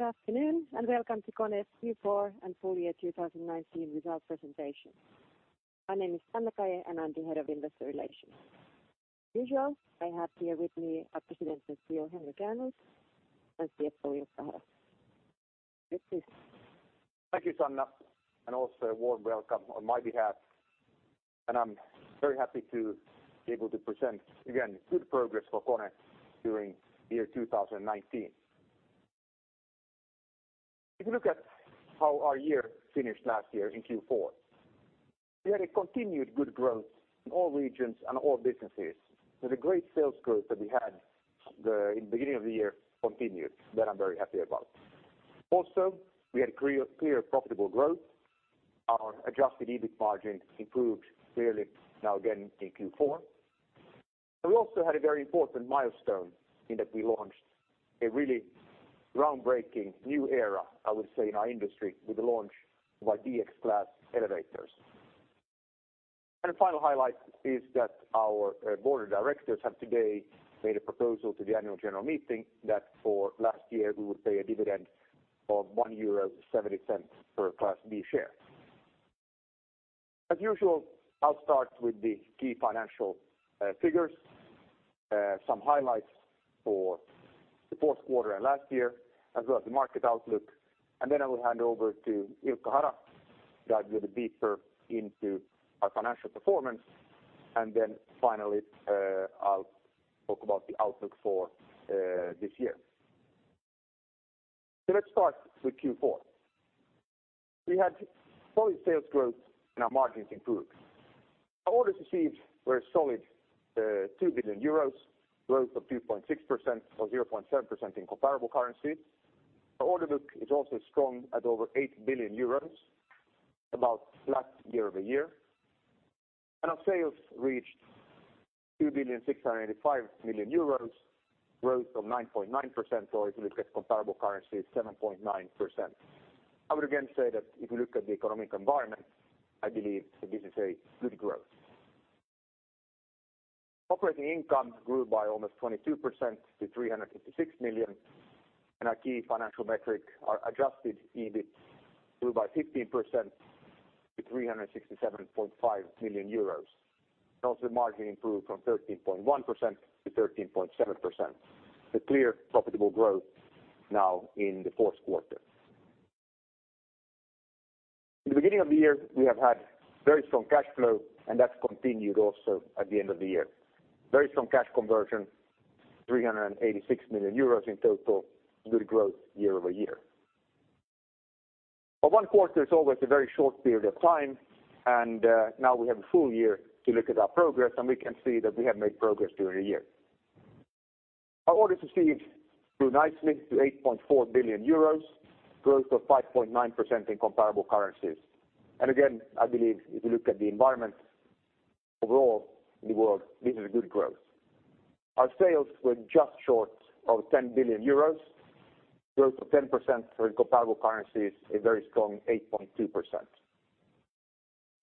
Good afternoon, and welcome to KONE's Q4 and full year 2019 results presentation. My name is Sanna Kaje and I'm the head of investor relations. Usual, I have here with me our President and CEO, Henrik Ehrnrooth, and CFO, Ilkka Hara. Henrik. Thank you, Sanna. Also a warm welcome on my behalf. I'm very happy to be able to present again good progress for KONE during the year 2019. If you look at how our year finished last year in Q4, we had a continued good growth in all regions and all businesses. With a great sales growth that we had in the beginning of the year continued, that I'm very happy about. Also, we had clear profitable growth. Our adjusted EBIT margin improved clearly now again in Q4. We also had a very important milestone in that we launched a really groundbreaking new era, I would say, in our industry with the launch of our DX Class elevators. A final highlight is that our board of directors have today made a proposal to the annual general meeting that for last year, we would pay a dividend of 1.70 euro per Class B share. As usual, I'll start with the key financial figures, some highlights for the fourth quarter and last year, as well as the market outlook. I will hand over to Ilkka Hara to dive a little deeper into our financial performance. Finally, I'll talk about the outlook for this year. Let's start with Q4. We had solid sales growth, and our margins improved. Our orders received were a solid 2 billion euros, growth of 2.6% or 0.7% in comparable currency. Our order book is also strong at over 8 billion euros, about flat year-over-year. Our sales reached 2.685 billion euros, growth of 9.9%, or if you look at comparable currency, 7.9%. I would again say that if you look at the economic environment, I believe that this is a good growth. Operating income grew by almost 22% to 356 million, and our key financial metric, our adjusted EBIT, grew by 15% to 367.5 million euros. Also, the margin improved from 13.1% to 13.7%. A clear profitable growth now in the fourth quarter. In the beginning of the year, we have had very strong cash flow, and that's continued also at the end of the year. Very strong cash conversion, 386 million euros in total, good growth year-over-year. One quarter is always a very short period of time, and now we have a full year to look at our progress, and we can see that we have made progress during the year. Our orders received grew nicely to 8.4 billion euros, growth of 5.9% in comparable currencies. Again, I believe if you look at the environment overall in the world, this is a good growth. Our sales were just short of 10 billion euros, growth of 10% for comparable currencies, a very strong 8.2%.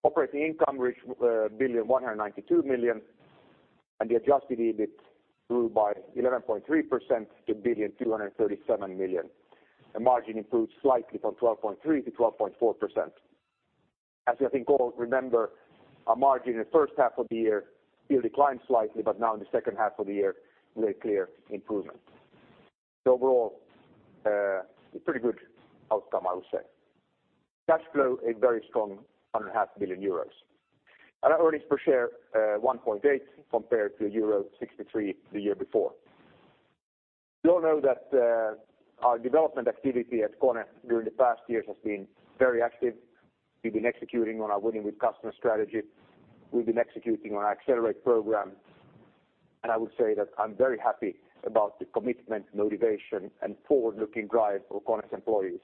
Operating income reached 1,192 million, and the adjusted EBIT grew by 11.3% to 1,237 million. The margin improved slightly from 12.3% to 12.4%. As I think all remember, our margin in the first half of the year did decline slightly, but now in the second half of the year, made clear improvement. Overall, a pretty good outcome, I would say. Cash flow, a very strong 1.5 billion euros. Our earnings per share, 1.8 compared to euro 0.63 the year before. You all know that our development activity at KONE during the past years has been very active. We've been executing on our Winning with Customers strategy. We've been executing on our Accelerate program. I would say that I'm very happy about the commitment, motivation, and forward-looking drive of KONE's employees.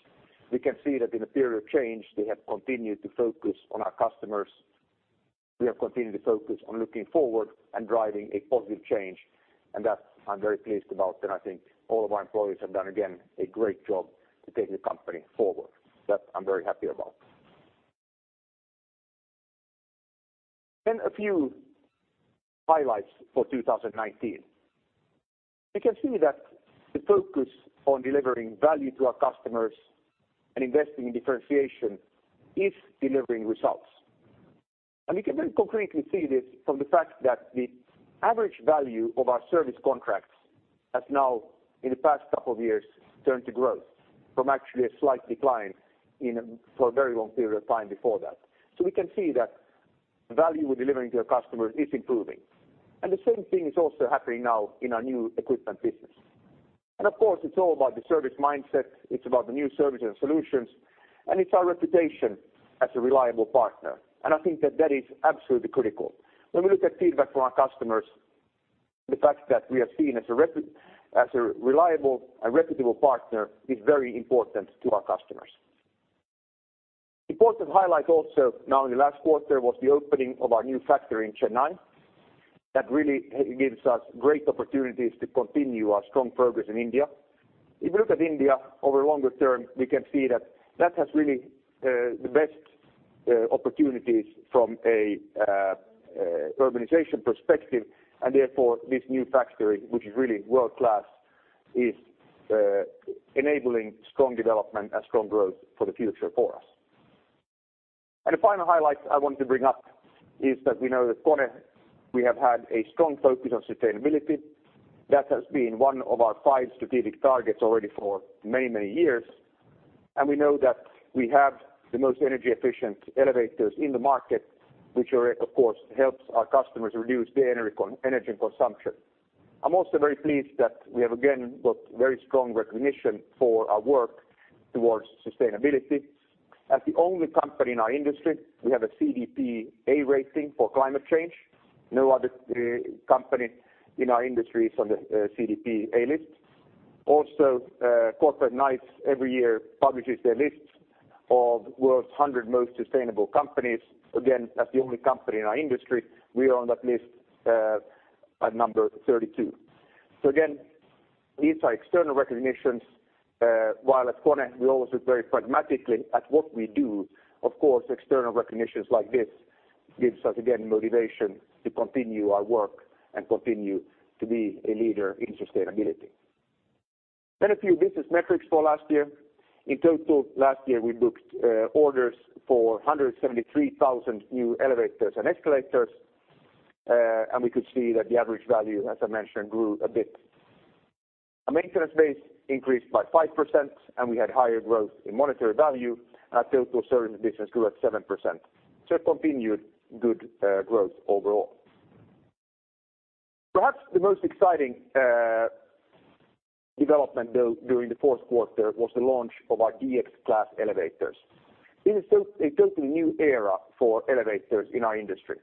We can see that in a period of change, they have continued to focus on our customers. We have continued to focus on looking forward and driving a positive change, that I'm very pleased about. I think all of our employees have done, again, a great job to take the company forward. That I'm very happy about. A few highlights for 2019. We can see that the focus on delivering value to our customers and investing in differentiation is delivering results. We can very concretely see this from the fact that the average value of our service contracts has now, in the past couple of years, turned to growth from actually a slight decline in a for a very long period of time before that. We can see that the value we're delivering to our customers is improving. The same thing is also happening now in our new equipment business. It's all about the service mindset, it's about the new services and solutions, and it's our reputation as a reliable partner. That is absolutely critical. When we look at feedback from our customers, the fact that we are seen as a reliable and reputable partner is very important to our customers. Important highlight also now in the last quarter was the opening of our new factory in Chennai. That really gives us great opportunities to continue our strong progress in India. If you look at India over longer term, we can see that that has really the best opportunities from a urbanization perspective, and therefore this new factory, which is really world-class, is enabling strong development and strong growth for the future for us. The final highlight I wanted to bring up is that we know that KONE, we have had a strong focus on sustainability. That has been one of our five strategic targets already for many, many years. We know that we have the most energy efficient elevators in the market, which of course, helps our customers reduce their energy consumption. I'm also very pleased that we have, again, got very strong recognition for our work towards sustainability. As the only company in our industry, we have a CDP A rating for climate change. No other company in our industry is on the CDP A list. Also, Corporate Knights every year publishes their lists of world's 100 most sustainable companies. Again, as the only company in our industry, we are on that list, at number 32. Again, these are external recognitions. While at KONE, we always look very pragmatically at what we do. Of course, external recognitions like this gives us, again, motivation to continue our work and continue to be a leader in sustainability. A few business metrics for last year. In total, last year, we booked orders for 173,000 new elevators and escalators, and we could see that the average value, as I mentioned, grew a bit. Our maintenance base increased by 5%, and we had higher growth in monetary value. Our total service business grew at 7%. Continued good growth overall. Perhaps the most exciting development though during the fourth quarter was the launch of our DX Class elevators. It is a totally new era for elevators in our industry.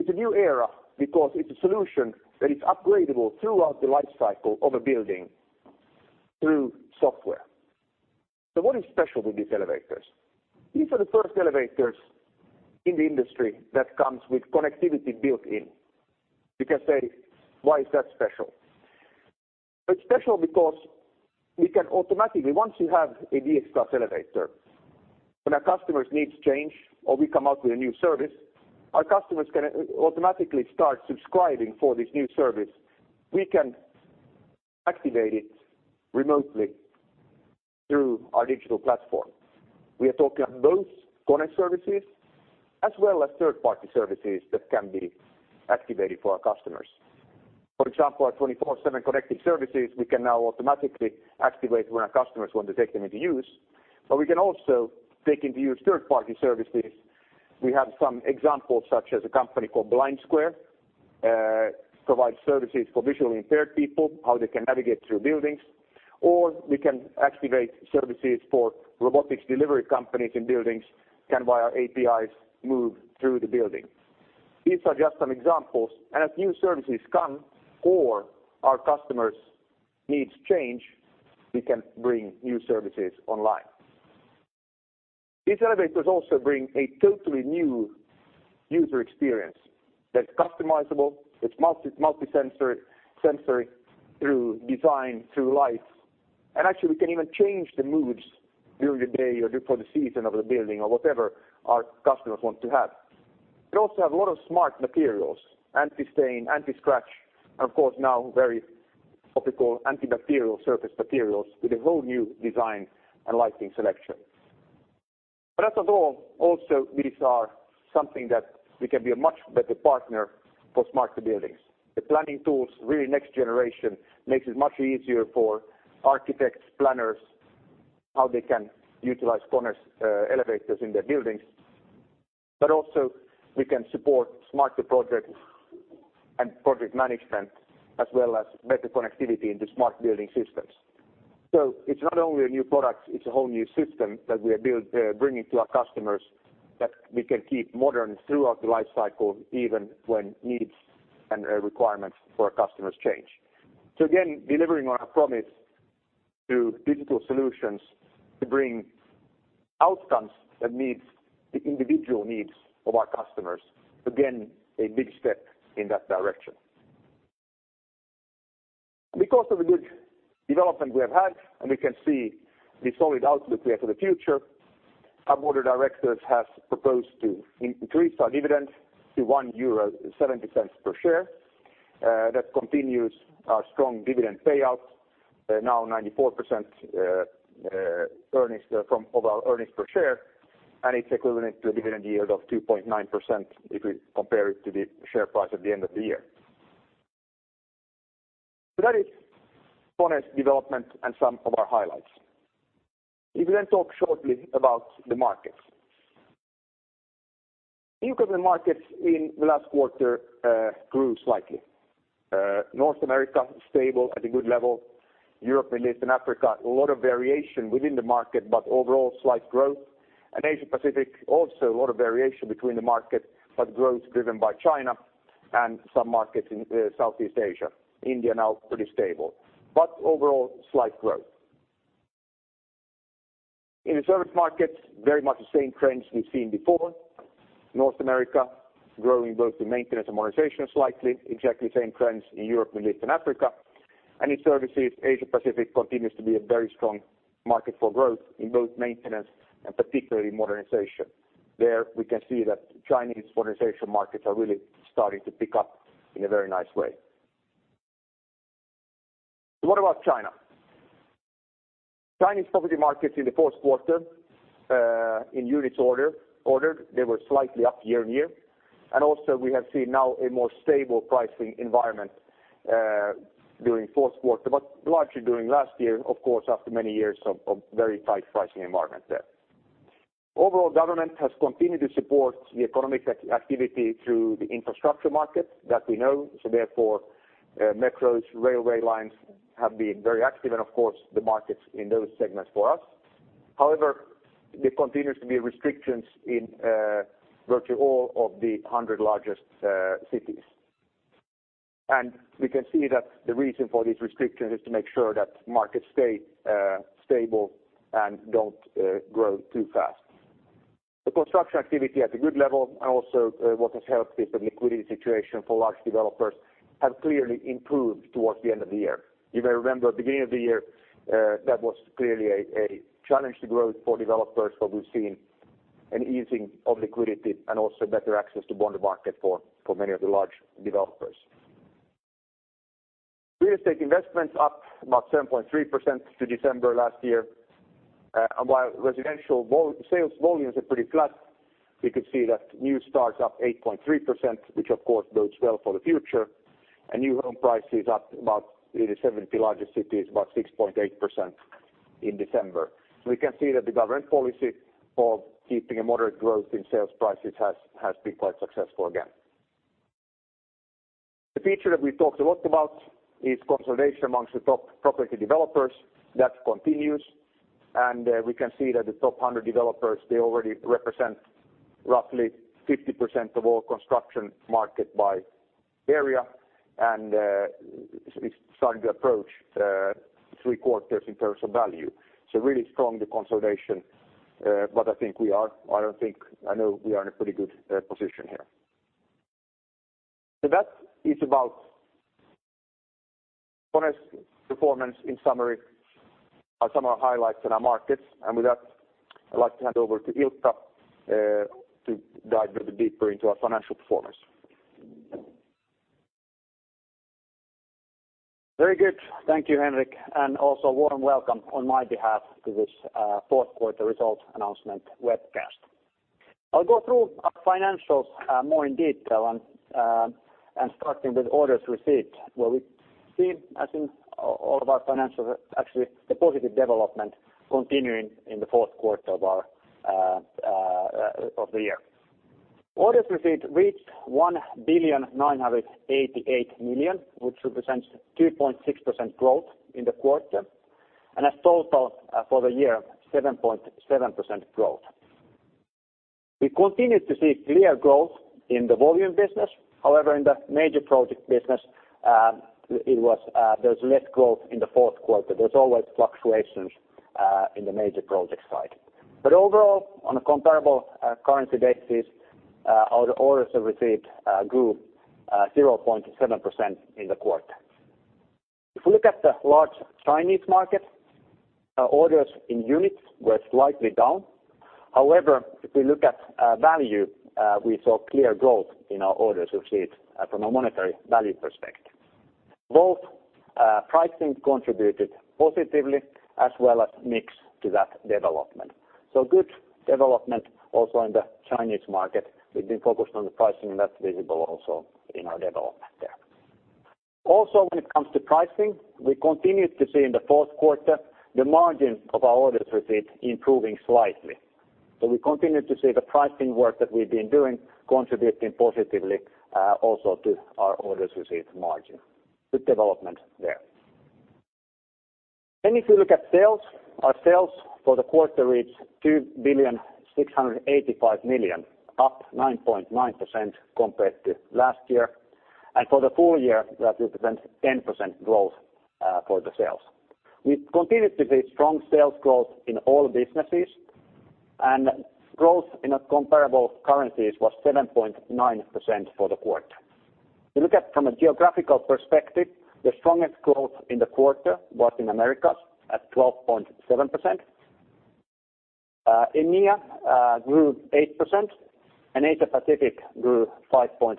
It's a new era because it's a solution that is upgradable throughout the life cycle of a building through software. What is special with these elevators? These are the first elevators in the industry that comes with connectivity built in. You can say, "Why is that special?" It's special because we can. Once you have a DX Class elevator, when our customers' needs change or we come out with a new service, our customers can automatically start subscribing for this new service. We can activate it remotely through our digital platform. We are talking on both KONE services as well as third-party services that can be activated for our customers. For example, our 24/7 Connected Services, we can now automatically activate when our customers want to take them into use, but we can also take into use third-party services. We have some examples, such as a company called BlindSquare, provides services for visually impaired people, how they can navigate through buildings, or we can activate services for robotics delivery companies in buildings can, via APIs, move through the building. These are just some examples. As new services come or our customers' needs change, we can bring new services online. These elevators also bring a totally new user experience that's customizable. It's multi-sensory, sensory through design, through life. Actually, we can even change the moods during the day or before the season of the building or whatever our customers want to have. We also have a lot of smart materials, anti-stain, anti-scratch. Of course now very topical antibacterial surface materials with a whole new design and lighting selection. First of all, also these are something that we can be a much better partner for smarter buildings. The planning tools, really next generation, makes it much easier for architects, planners, how they can utilize KONE's elevators in their buildings. Also we can support smarter project and project management, as well as better connectivity into smart building systems. It's not only a new product, it's a whole new system that we are bringing to our customers that we can keep modern throughout the life cycle, even when needs and requirements for our customers change. Again, delivering on our promise to digital solutions to bring outcomes that meets the individual needs of our customers. Again, a big step in that direction. Because of the good development we have had, and we can see the solid outlook we have for the future, our board of directors has proposed to increase our dividend to 1.07 euro per share. That continues our strong dividend payout, now 94% earnings from overall earnings per share, and it's equivalent to a dividend yield of 2.9% if we compare it to the share price at the end of the year. That is KONE's development and some of our highlights. We will then talk shortly about the markets. New customer markets in the last quarter grew slightly. North America, stable at a good level. Europe, Middle East, and Africa, a lot of variation within the market, but overall slight growth. Asia Pacific, also a lot of variation between the market, but growth driven by China and some markets in Southeast Asia. India now pretty stable, but overall slight growth. In the service markets, very much the same trends we've seen before. North America growing both in maintenance and modernization slightly. Exactly the same trends in Europe, Middle East, and Africa. In services, Asia Pacific continues to be a very strong market for growth in both maintenance and particularly modernization. There we can see that Chinese modernization markets are really starting to pick up in a very nice way. What about China? Chinese property markets in the fourth quarter in units ordered, they were slightly up year-over-year. Also we have seen now a more stable pricing environment during fourth quarter, but largely during last year, of course, after many years of very tight pricing environment there. Overall, government has continued to support the economic activity through the infrastructure market that we know. Therefore, metros, railway lines have been very active and of course the markets in those segments for us. However, there continues to be restrictions in virtually all of the 100 largest cities. We can see that the reason for these restrictions is to make sure that markets stay stable and don't grow too fast. The construction activity at a good level and also, what has helped is the liquidity situation for large developers have clearly improved towards the end of the year. You may remember at the beginning of the year, that was clearly a challenge to growth for developers, but we've seen an easing of liquidity and also better access to bond market for many of the large developers. Real estate investments up about 7.3% to December last year. While residential sales volumes are pretty flat, we could see that new starts up 8.3%, which of course bodes well for the future. New home prices up about in the 70 largest cities, about 6.8% in December. We can see that the government policy of keeping a moderate growth in sales prices has been quite successful again. The feature that we've talked a lot about is consolidation amongst the top property developers. That continues. We can see that the top 100 developers, they already represent roughly 50% of all construction market by area. It's starting to approach three-quarters in terms of value. Really strong, the consolidation. I don't think, I know we are in a pretty good position here. That is about KONE's performance in summary. Some of our highlights in our markets. With that, I'd like to hand over to Ilkka, to dive a bit deeper into our financial performance. Very good. Thank you, Henrik. Also warm welcome on my behalf to this, fourth quarter results announcement webcast. I'll go through our financials more in detail, starting with orders received, where we see, I think, all of our financials, actually the positive development continuing in the fourth quarter of the year. Orders received reached 1.988 billion, which represents 2.6% growth in the quarter. As total for the year, 7.7% growth. We continued to see clear growth in the volume business. In the major project business, there was less growth in the fourth quarter. There is always fluctuations in the major project side. Overall, on a comparable currency basis, our orders are received grew 0.7% in the quarter. If we look at the large Chinese market, orders in units were slightly down. If we look at value, we saw clear growth in our orders received from a monetary value perspective. Both pricing contributed positively as well as mix to that development. Good development also in the Chinese market. We've been focused on the pricing and that's visible also in our development there. When it comes to pricing, we continued to see in the fourth quarter the margin of our orders received improving slightly. We continued to see the pricing work that we've been doing contributing positively also to our orders received margin. Good development there. If you look at sales, our sales for the quarter reached 2,685 million, up 9.9% compared to last year. For the full year, that represents 10% growth for the sales. We've continued to see strong sales growth in all businesses, growth in comparable currencies was 7.9% for the quarter. If you look at from a geographical perspective, the strongest growth in the quarter was in Americas at 12.7%. EMEA grew 8%, Asia Pacific grew 5.4%.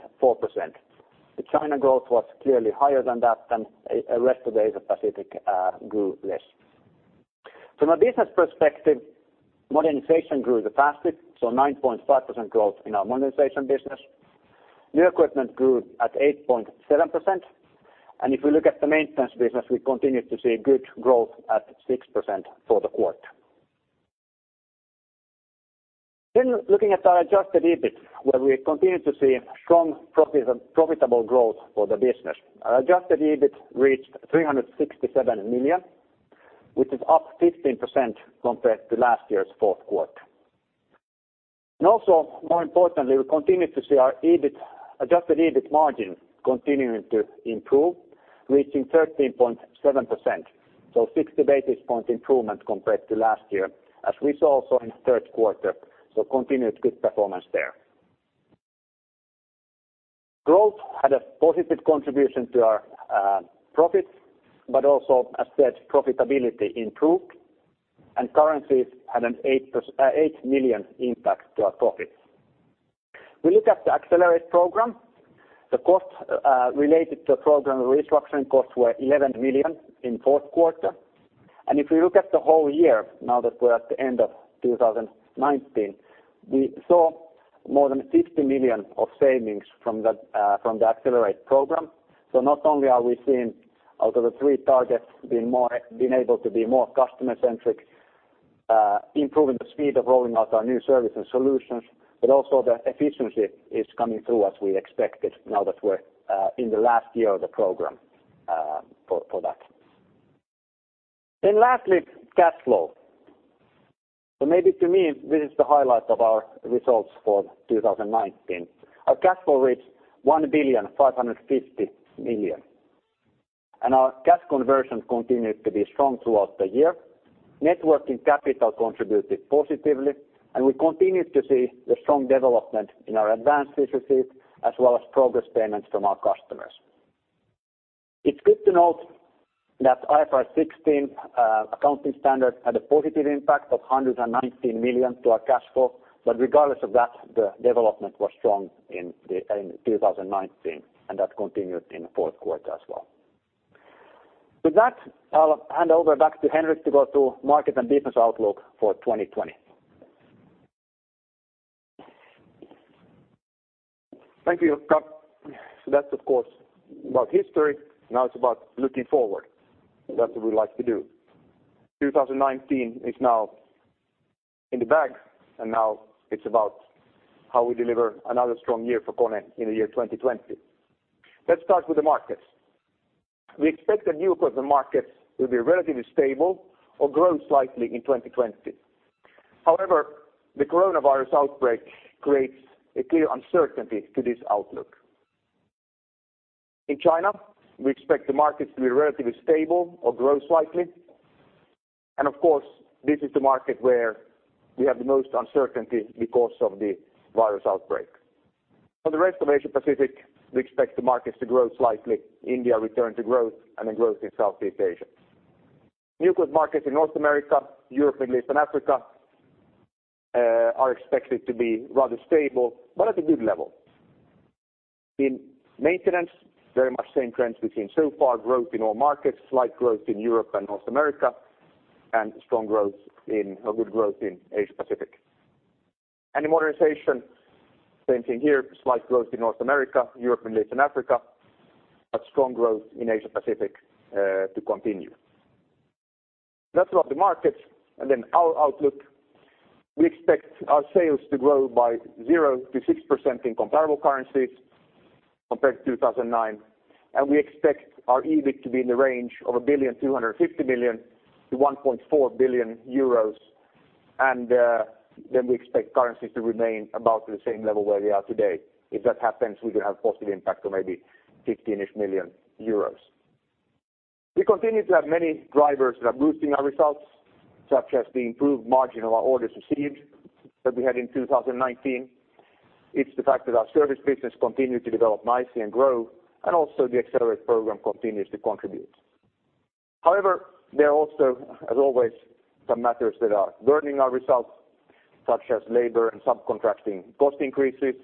The China growth was clearly higher than that, rest of the Asia Pacific grew less. From a business perspective, modernization grew the fastest, 9.5% growth in our modernization business. New equipment grew at 8.7%. If we look at the maintenance business, we continued to see good growth at 6% for the quarter. Looking at our adjusted EBIT, where we continued to see strong profits and profitable growth for the business. Our adjusted EBIT reached 367 million, which is up 15% compared to last year's fourth quarter. Also more importantly, we continue to see our EBIT, adjusted EBIT margin continuing to improve, reaching 13.7%. 60 basis point improvement compared to last year as we saw also in the third quarter. Continued good performance there. Growth had a positive contribution to our profits, but also as said, profitability improved and currencies had an 8 million impact to our profits. We look at the Accelerate program, the cost related to program restructuring costs were 11 million in fourth quarter. If we look at the whole year, now that we're at the end of 2019, we saw more than 50 million of savings from the Accelerate program. Not only are we seeing out of the three targets being able to be more customer-centric, improving the speed of rolling out our new service and solutions, but also the efficiency is coming through as we expected now that we're in the last year of the program for that. Lastly, cash flow. Maybe to me, this is the highlight of our results for 2019. Our cash flow reached 1,550 million, and our cash conversion continued to be strong throughout the year. Networking capital contributed positively, and we continued to see the strong development in our advanced research fees as well as progress payments from our customers. It's good to note that IFRS 16 accounting standard had a positive impact of 119 million to our cash flow. Regardless of that, the development was strong in 2019, and that continued in the fourth quarter as well. With that, I'll hand over back to Henrik to go through market and business outlook for 2020. Thank you, Ilkka. That's of course about history. Now it's about looking forward, and that's what we like to do. 2019 is now in the bag, and now it's about how we deliver another strong year for KONE in the year 2020. Let's start with the markets. We expect the new equipment markets will be relatively stable or grow slightly in 2020. However, the coronavirus outbreak creates a clear uncertainty to this outlook. In China, we expect the markets to be relatively stable or grow slightly. Of course, this is the market where we have the most uncertainty because of the virus outbreak. For the rest of Asia Pacific, we expect the markets to grow slightly, India return to growth, and a growth in Southeast Asia. New equipment markets in North America, Europe, Middle East, and Africa are expected to be rather stable but at a good level. In maintenance, very much same trends we've seen so far, growth in all markets, slight growth in Europe and North America, and a good growth in Asia Pacific. In modernization, same thing here, slight growth in North America, Europe, Middle East, and Africa, but strong growth in Asia Pacific to continue. That's about the markets. Then our outlook, we expect our sales to grow by 0%-6% in comparable currencies compared to 2009. We expect our EBIT to be in the range of 1.25 billion-1.4 billion euros. We expect currencies to remain about the same level where we are today. If that happens, we could have positive impact of maybe 15-ish million euros. We continue to have many drivers that are boosting our results, such as the improved margin of our orders received that we had in 2019. It's the fact that our service business continued to develop nicely and grow, and also the Accelerate program continues to contribute. However, there are also, as always, some matters that are burdening our results, such as labor and subcontracting cost increases,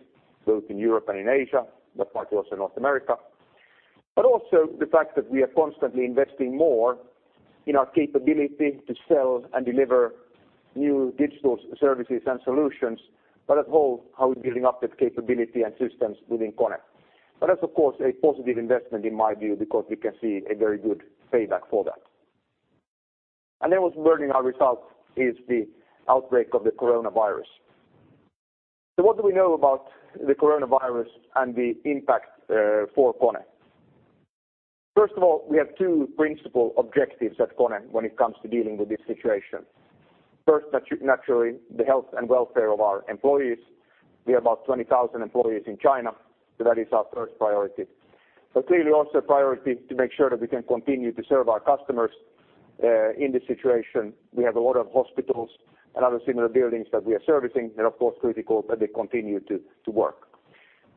both in Europe and in Asia, but partly also North America. Also the fact that we are constantly investing more in our capability to sell and deliver new digital services and solutions, but at whole how we're building up that capability and systems within KONE. That's of course a positive investment in my view because we can see a very good payback for that. What's burdening our results is the outbreak of the coronavirus. What do we know about the coronavirus and the impact for KONE? First of all, we have two principal objectives at KONE when it comes to dealing with this situation. First, naturally, the health and welfare of our employees. We have about 20,000 employees in China, so that is our first priority. Clearly also a priority to make sure that we can continue to serve our customers in this situation. We have a lot of hospitals and other similar buildings that we are servicing, and of course critical that they continue to work.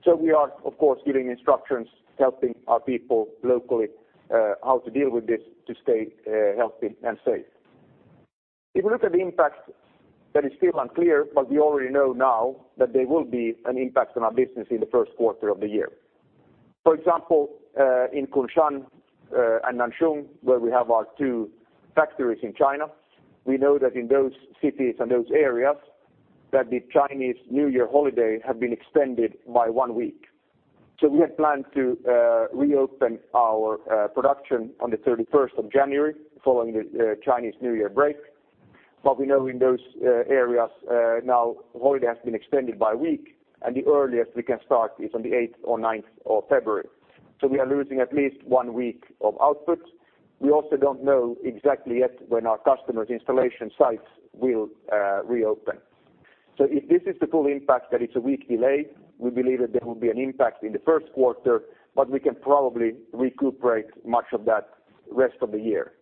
We are of course giving instructions, helping our people locally, how to deal with this to stay healthy and safe. If we look at the impact that is still unclear, but we already know now that there will be an impact on our business in the first quarter of the year. For example, in Kunshan and Nanjing, where we have our two factories in China, we know that in those cities and those areas, that the Chinese New Year holiday have been extended by one week. We had planned to reopen our production on the 31st of January following the Chinese New Year break. We know in those areas, now holiday has been extended by one week, and the earliest we can start is on the eighth or ninth of February. So we are losing at least one week of output. We also don't know exactly yet when our customers' installation sites will reopen. If this is the full impact, that it's a week delay, we believe that there will be an impact in the first quarter, but we can probably recuperate much of that rest of the year.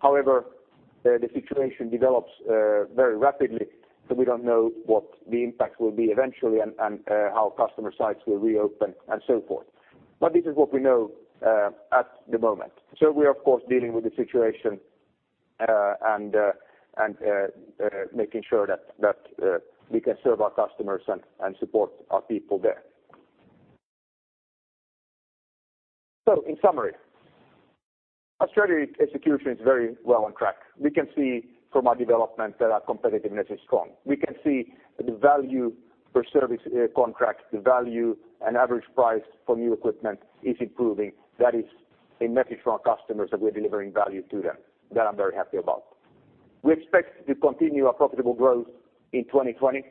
However, the situation develops very rapidly, so we don't know what the impact will be eventually and how customer sites will reopen and so forth. This is what we know at the moment. We're of course dealing with the situation and making sure that we can serve our customers and support our people there. In summary, our strategy execution is very well on track. We can see from our development that our competitiveness is strong. We can see the value per service contract, the value and average price for new equipment is improving. That is a message from our customers that we're delivering value to them, that I'm very happy about. We expect to continue our profitable growth in 2020.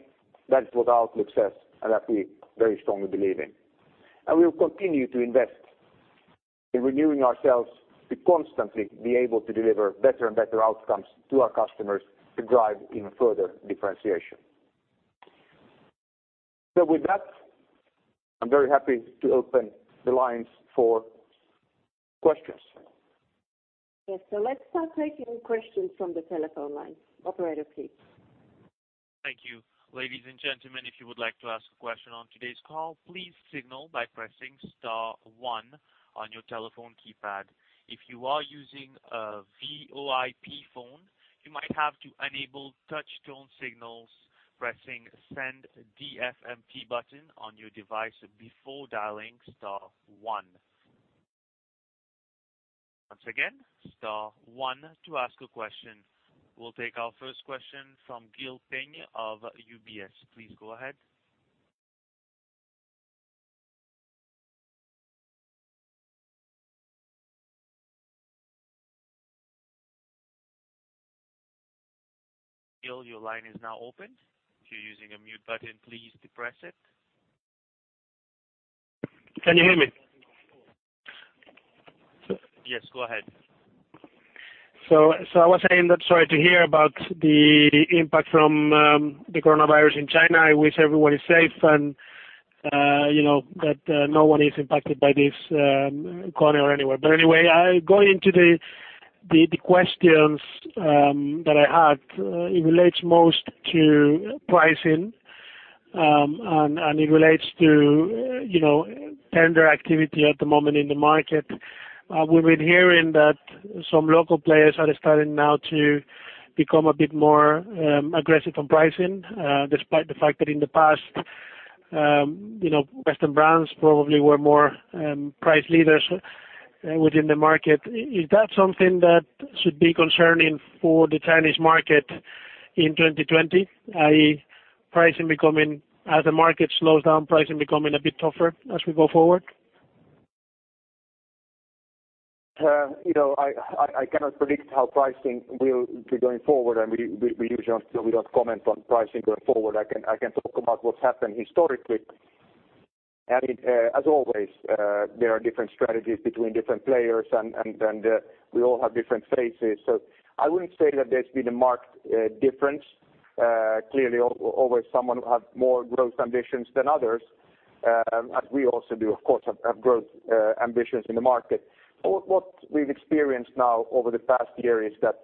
That is what our outlook says, and that we very strongly believe in. We will continue to invest in renewing ourselves to constantly be able to deliver better and better outcomes to our customers to drive even further differentiation. With that, I'm very happy to open the lines for questions. Yes. Let's start taking questions from the telephone line. Operator, please. Thank you. Ladies and gentlemen, if you would like to ask a question on today's call, please signal by pressing star one on your telephone keypad. If you are using a VoIP phone, you might have to enable touch tone signals pressing Send DTMF button on your device before dialing star one. Once again, star one to ask a question. We'll take our first question from Guillermo Peigneux Lojo of UBS. Please go ahead. Gil, your line is now open. If you're using a mute button, please depress it. Can you hear me? Yes, go ahead. I was saying that sorry to hear about the impact from the coronavirus in China. I wish everyone is safe and, you know, that no one is impacted by this corona anywhere. Anyway, I go into the questions that I had. It relates most to pricing, and it relates to, you know, tender activity at the moment in the market. We've been hearing that some local players are starting now to become a bit more aggressive on pricing, despite the fact that in the past, you know, Western brands probably were more price leaders within the market. Is that something that should be concerning for the Chinese market in 2020? I.E., pricing becoming as the market slows down, pricing becoming a bit tougher as we go forward? You know, I cannot predict how pricing will be going forward, and we usually, we don't comment on pricing going forward. I can talk about what's happened historically. It, as always, there are different strategies between different players and we all have different phases. I wouldn't say that there's been a marked difference. Clearly always someone will have more growth ambitions than others, as we also do, of course, have growth ambitions in the market. What we've experienced now over the past year is that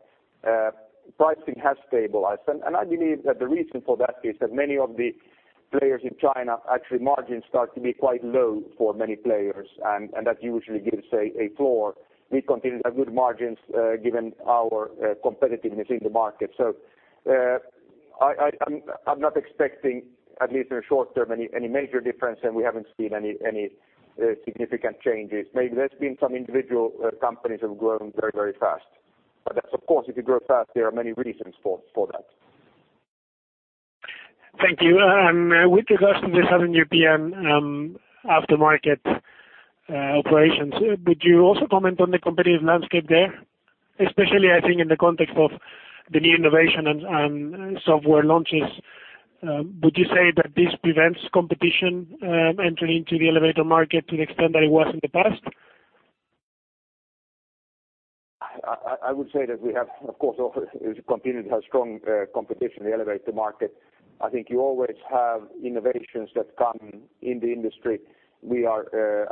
pricing has stabilized. And I believe that the reason for that is that many of the players in China, actually margins start to be quite low for many players, and that usually gives a floor. We continue to have good margins, given our competitiveness in the market. I'm not expecting, at least in short term, any major difference, and we haven't seen any significant changes. Maybe there's been some individual companies have grown very fast. That's of course, if you grow fast, there are many reasons for that. Thank you. With regards to the Southern European aftermarket operations, would you also comment on the competitive landscape there? Especially I think in the context of the new innovation and software launches, would you say that this prevents competition entering into the elevator market to the extent that it was in the past? I would say that we have, of course, we continue to have strong competition in the elevator market. I think you always have innovations that come in the industry. We are,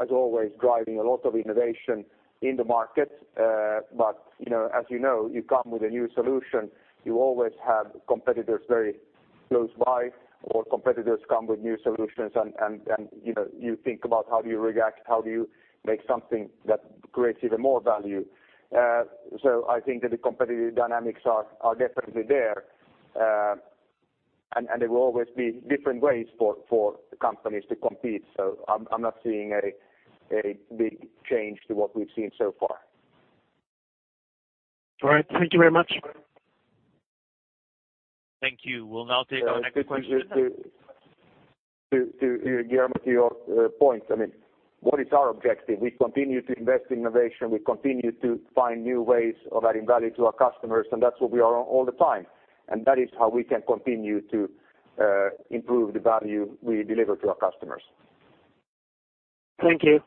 as always, driving a lot of innovation in the market. You know, as you know, you come with a new solution, you always have competitors very close by or competitors come with new solutions and, you know, you think about how do you react? How do you make something that creates even more value? I think that the competitive dynamics are definitely there. There will always be different ways for the companies to compete. I'm not seeing a big change to what we've seen so far. All right. Thank you very much. Thank you. We will now take our next question. To Guillermo, to your point, I mean, what is our objective? We continue to invest in innovation. We continue to find new ways of adding value to our customers, That's where we are all the time. That is how we can continue to improve the value we deliver to our customers. Thank you.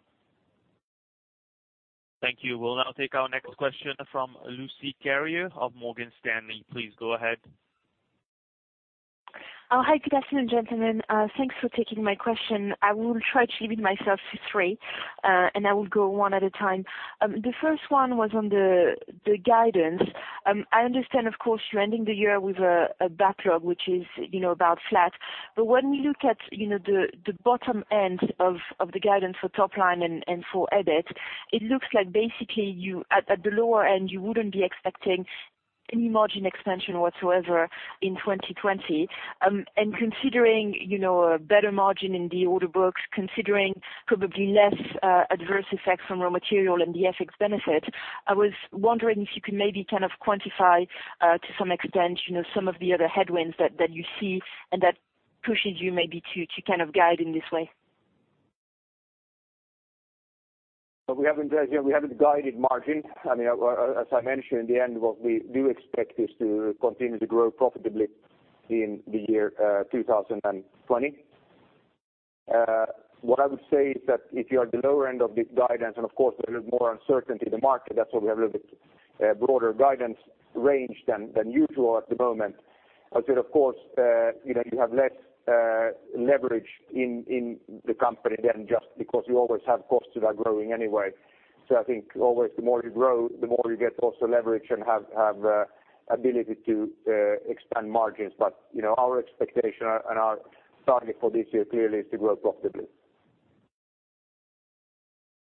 Thank you. We'll now take our next question from Lucie Carrier of Morgan Stanley. Please go ahead. Hi, good afternoon, gentlemen. Thanks for taking my question. I will try to limit myself to three, and I will go one at a time. The first one was on the guidance. I understand, of course, you're ending the year with a backlog, which is, you know, about flat. When we look at, you know, the bottom end of the guidance for top line and for EBIT, it looks like basically you at the lower end, you wouldn't be expecting any margin expansion whatsoever in 2020. Considering, you know, a better margin in the order books, considering probably less adverse effects from raw material and the FX benefit, I was wondering if you could maybe kind of quantify to some extent, you know, some of the other headwinds that you see and that pushes you maybe to kind of guide in this way. We haven't, you know, we haven't guided margin. I mean, as I mentioned, in the end, what we do expect is to continue to grow profitably in the year, 2020. What I would say is that if you are at the lower end of the guidance and of course there is more uncertainty in the market, that's why we have a little bit broader guidance range than usual at the moment. I would say of course, you know, you have less leverage in the company than just because you always have costs that are growing anyway. I think always the more you grow, the more you get also leverage and have ability to expand margins. You know, our expectation and our target for this year clearly is to grow profitably.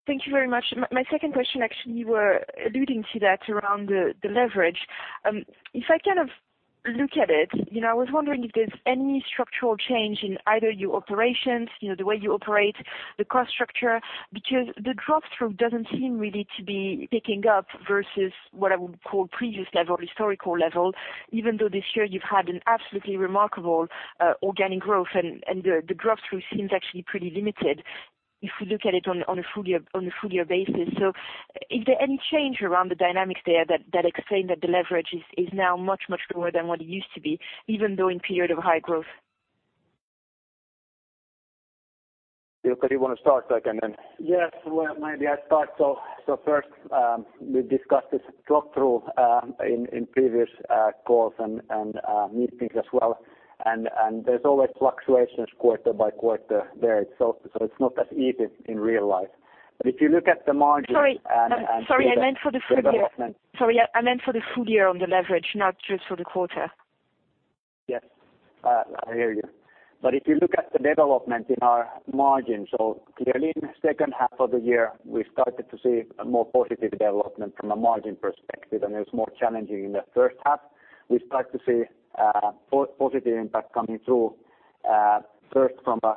Thank you very much. My second question, actually, you were alluding to that around the leverage. If I kind of look at it, you know, I was wondering if there's any structural change in either your operations, you know, the way you operate the cost structure, because the drop-through doesn't seem really to be picking up versus what I would call previous level, historical level. Even though this year you've had an absolutely remarkable organic growth and the drop-through seems actually pretty limited if you look at it on a full year basis. Is there any change around the dynamics there that explain that the leverage is now much, much lower than what it used to be, even though in period of high growth? Ilkka, do you want to start that? Yes. Well, maybe I start. First, we've discussed this drop-through in previous calls and meetings as well. There's always fluctuations quarter by quarter there itself, so it's not that easy in real life. If you look at the margin. Sorry, I meant for the full year. the development- Sorry, I meant for the full year on the leverage, not just for the quarter. Yes. I hear you. If you look at the development in our margins, clearly in the second half of the year, we started to see a more positive development from a margin perspective. It was more challenging in the first half. We start to see a positive impact coming through, first from a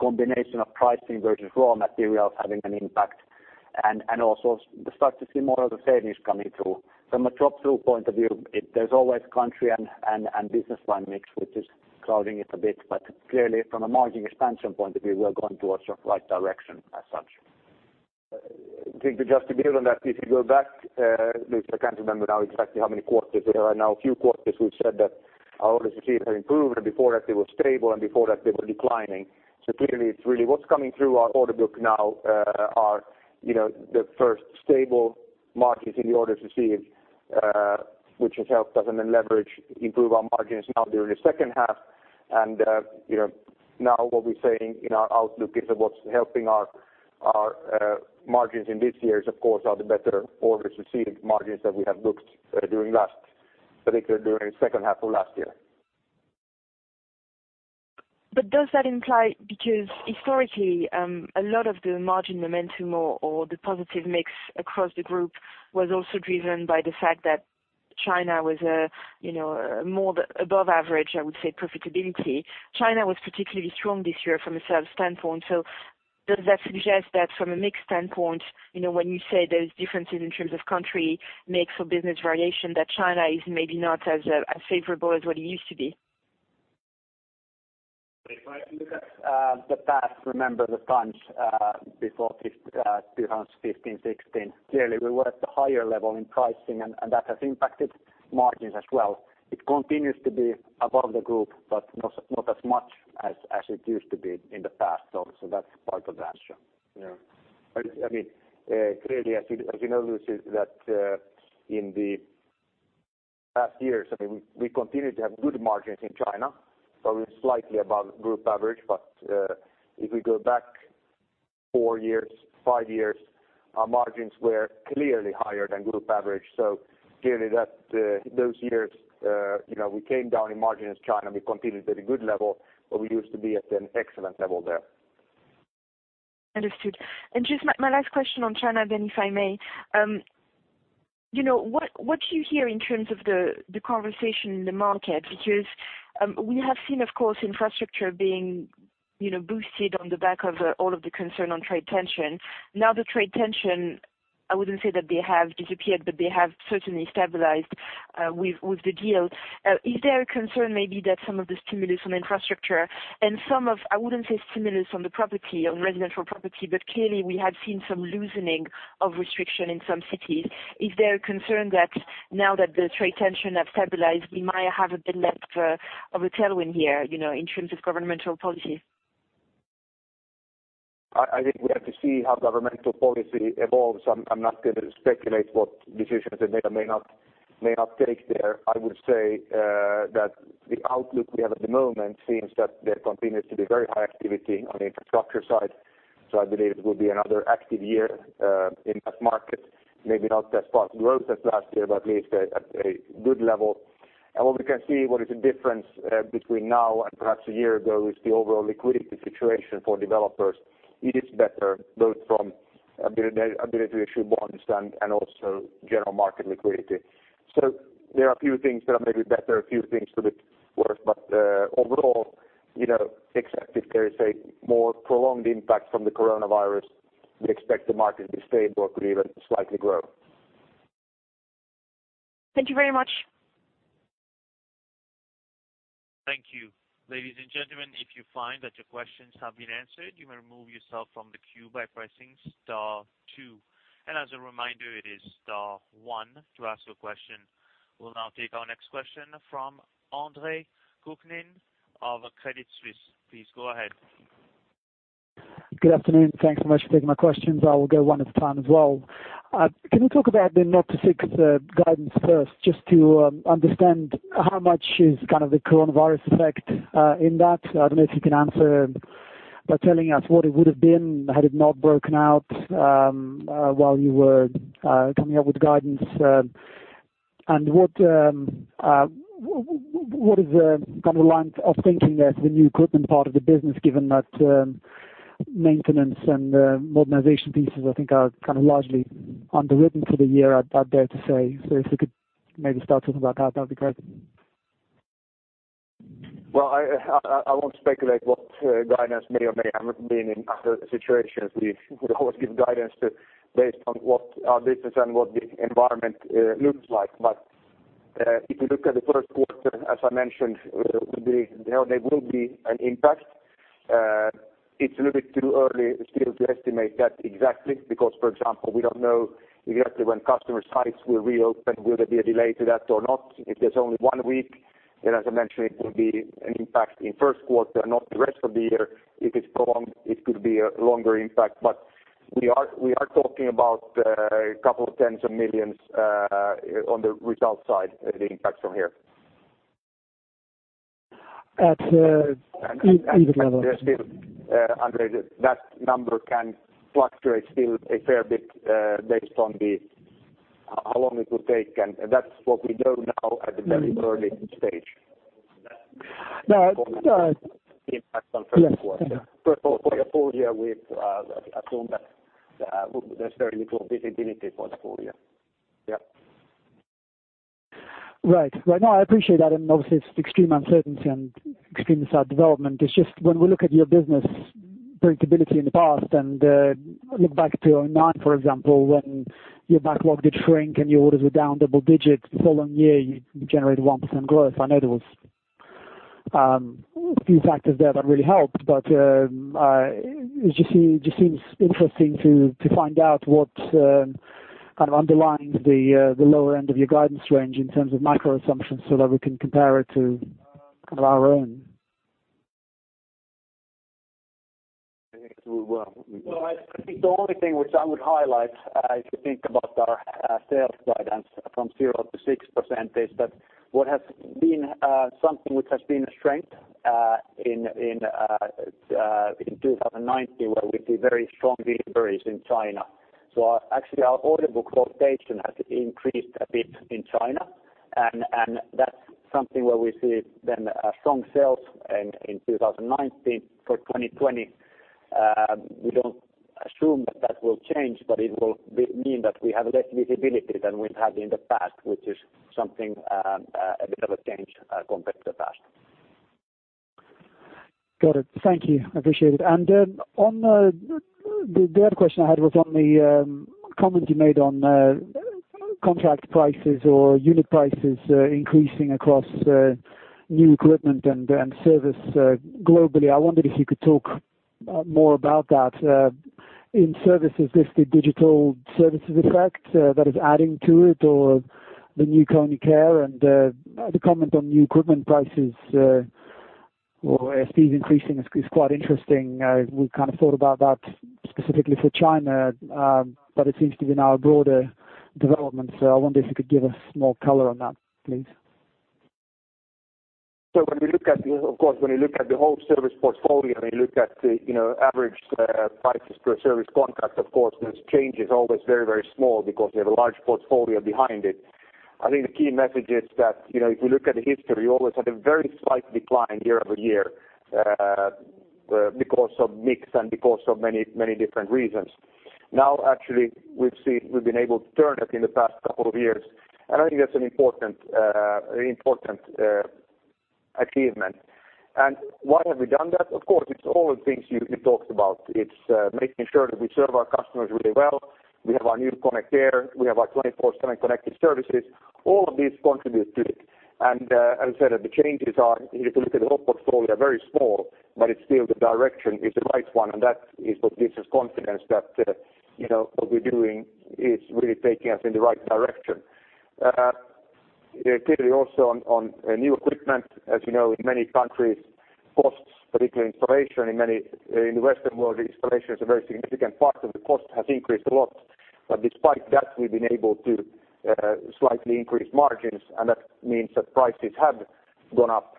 combination of pricing versus raw materials having an impact. Also we start to see more of the savings coming through. From a drop-through point of view, there's always country and business line mix, which is clouding it a bit. Clearly from a margin expansion point of view, we are going towards the right direction as such. I think to just add on that, if you go back, Lucie, I can't remember now exactly how many quarters it is right now, a few quarters we've said that our orders received have improved, and before that they were stable, and before that they were declining. Clearly it's really what's coming through our order book now, are, you know, the first stable markets in the orders received, which has helped us and then leverage improve our margins now during the second half. You know, now what we're saying in our outlook is that what's helping our, margins in this year, of course, are the better orders received margins that we have booked, during last, particularly during the second half of last year. Does that imply because historically, a lot of the margin momentum or the positive mix across the group was also driven by the fact that China was more above average, I would say, profitability. China was particularly strong this year from a sales standpoint. Does that suggest that from a mix standpoint, when you say there's differences in terms of country mix or business variation, that China is maybe not as favorable as what it used to be? If I look at the past, remember the times before this, 2015, 2016, clearly we were at a higher level in pricing and that has impacted margins as well. It continues to be above the group, but not as much as it used to be in the past. That's part of the answer. Yeah. I mean, clearly, as you, as you know, Lucie, that in the past years, I mean, we continued to have good margins in China, probably slightly above group average. If we go back four years, five years, our margins were clearly higher than group average. Clearly that, those years, you know, we came down in margin as China. We competed at a good level, but we used to be at an excellent level there. Understood. Just my last question on China, then, if I may. You know, what do you hear in terms of the conversation in the market? Because we have seen, of course, infrastructure being, you know, boosted on the back of all of the concern on trade tension. The trade tension, I wouldn't say that they have disappeared, but they have certainly stabilized with the deal. Is there a concern maybe that some of the stimulus on infrastructure and some of, I wouldn't say stimulus on the property, on residential property, but clearly we have seen some loosening of restriction in some cities. Is there a concern that now that the trade tension have stabilized, we might have a bit less of a tailwind here, you know, in terms of governmental policies? I think we have to see how governmental policy evolves. I'm not gonna speculate what decisions they may or may not take there. I would say that the outlook we have at the moment seems that there continues to be very high activity on the infrastructure side. I believe it will be another active year in that market. Maybe not as fast growth as last year, but at least a good level. What we can see, what is the difference between now and perhaps a year ago is the overall liquidity situation for developers. It is better both from ability to issue bonds and also general market liquidity. There are a few things that are maybe better, a few things that are worse. Overall, you know, except if there is a more prolonged impact from the coronavirus, we expect the market to be stable or could even slightly grow. Thank you very much. Thank you. Ladies and gentlemen, if you find that your questions have been answered, you may remove yourself from the queue by pressing star two. As a reminder, it is star one to ask your question. We'll now take our next question from Andre Kukhnin of Credit Suisse. Please go ahead. Good afternoon. Thanks so much for taking my questions. I will go one at a time as well. Can you talk about the 0-6 guidance first, just to understand how much is kind of the coronavirus effect in that? I don't know if you can answer by telling us what it would have been had it not broken out while you were coming up with guidance. And what is the kind of lines of thinking as the new equipment part of the business, given that maintenance and modernization pieces I think are kind of largely underwritten for the year, I dare to say. If you could maybe start talking about that'd be great. Well, I won't speculate what guidance may or may have been in other situations. We would always give guidance based on what our business and what the environment looks like. If you look at the first quarter, as I mentioned, there will be an impact. It's a little bit too early still to estimate that exactly because, for example, we don't know exactly when customer sites will reopen. Will there be a delay to that or not? If there's only one week, then as I mentioned, it will be an impact in first quarter, not the rest of the year. If it's prolonged, it could be a longer impact. We are talking about a couple of tens of millions on the result side, the impact from here. At EBITDA level. Still, Andre, that number can fluctuate still a fair bit, based on the how long it will take. That's what we don't know at a very early stage. No, no. The impact on first quarter. Yes. For the full year, we've assumed that there's very little visibility for the full year. Yeah. Right. Right. No, I appreciate that. Obviously it's extreme uncertainty and extremely sad development. It's just when we look at your business predictability in the past and look back to '09, for example, when your backlog did shrink and your orders were down double digits, the following year you generated 1% growth. I know there was a few factors there that really helped. It just seems interesting to find out what kind of underlines the lower end of your guidance range in terms of micro assumptions so that we can compare it to kind of our own. I think the only thing which I would highlight, if you think about our sales guidance from 0%-6%, that what has been something which has been a strength in 2019, where we see very strong deliveries in China. Actually, our order book rotation has increased a bit in China. That's something where we see then strong sales in 2019. For 2020, we don't assume that that will change, but it will mean that we have less visibility than we've had in the past, which is something a bit of a change compared to the past. Got it. Thank you. I appreciate it. The other question I had was on the comment you made on contract prices or unit prices increasing across new equipment and service globally. I wondered if you could talk more about that. In services, is this the digital services effect that is adding to it or the new KONE Care and the comment on new equipment prices or ASPs increasing is quite interesting. We kind of thought about that specifically for China, but it seems to be now a broader development. I wonder if you could give us more color on that, please. When we look at the whole service portfolio, when you look at the, you know, average prices per service contract, of course those changes are always very, very small because we have a large portfolio behind it. I think the key message is that, you know, if you look at the history, you always had a very slight decline year-over-year because of mix and because of many, many different reasons. Now, actually, we’ve been able to turn it in the past couple of years, and I think that’s an important achievement. Why have we done that? Of course, it’s all the things you talked about. It’s making sure that we serve our customers really well. We have our new KONE Care. We have our 24/7 Connected Services. All of these contribute to it. As I said, the changes are, if you look at the whole portfolio, very small, but it's still the direction is the right one, and that is what gives us confidence that, you know, what we're doing is really taking us in the right direction. Clearly also on new equipment, as you know, in many countries costs, particularly installation in many in the Western world, installation is a very significant part of the cost, has increased a lot. Despite that, we've been able to slightly increase margins, and that means that prices have gone up.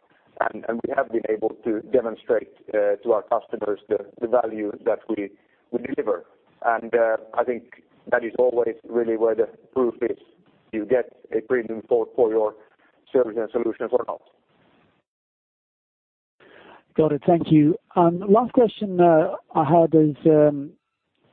We have been able to demonstrate to our customers the value that we deliver. I think that is always really where the proof is you get a premium for your service and solutions or not. Got it. Thank you. Last question I had is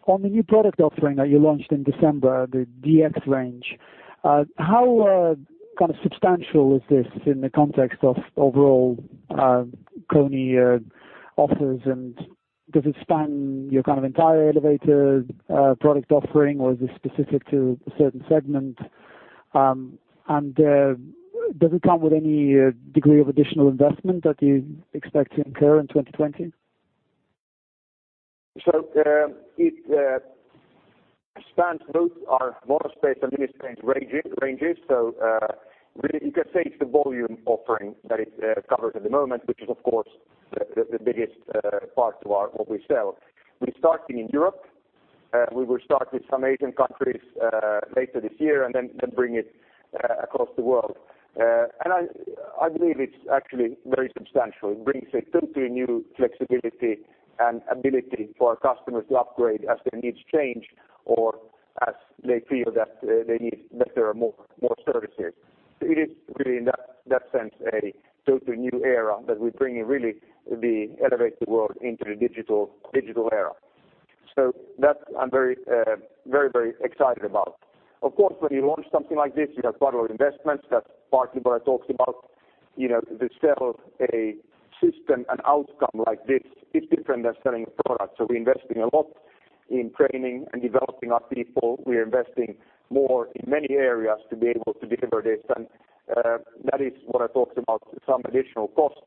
on the new product offering that you launched in December, the DX Class, how kind of substantial is this in the context of overall KONE offers? Does it span your kind of entire elevator product offering or is this specific to a certain segment? Does it come with any degree of additional investment that you expect to incur in 2020? It spans both our MonoSpace and MiniSpace ranges. Really you can say it's the volume offering that it covers at the moment, which is of course the biggest part to what we sell. We're starting in Europe. We will start with some Asian countries later this year and then bring it across the world. I believe it's actually very substantial. It brings a totally new flexibility and ability for our customers to upgrade as their needs change or as they feel that they need better or more services. It is really in that sense, a totally new era that we bring in really the elevator world into the digital era. That I'm very excited about. Of course, when you launch something like this, you have follow investments. That's partly what I talked about. You know, to sell a system, an outcome like this, it's different than selling a product. We're investing a lot in training and developing our people. We're investing more in many areas to be able to deliver this. That is what I talked about some additional costs.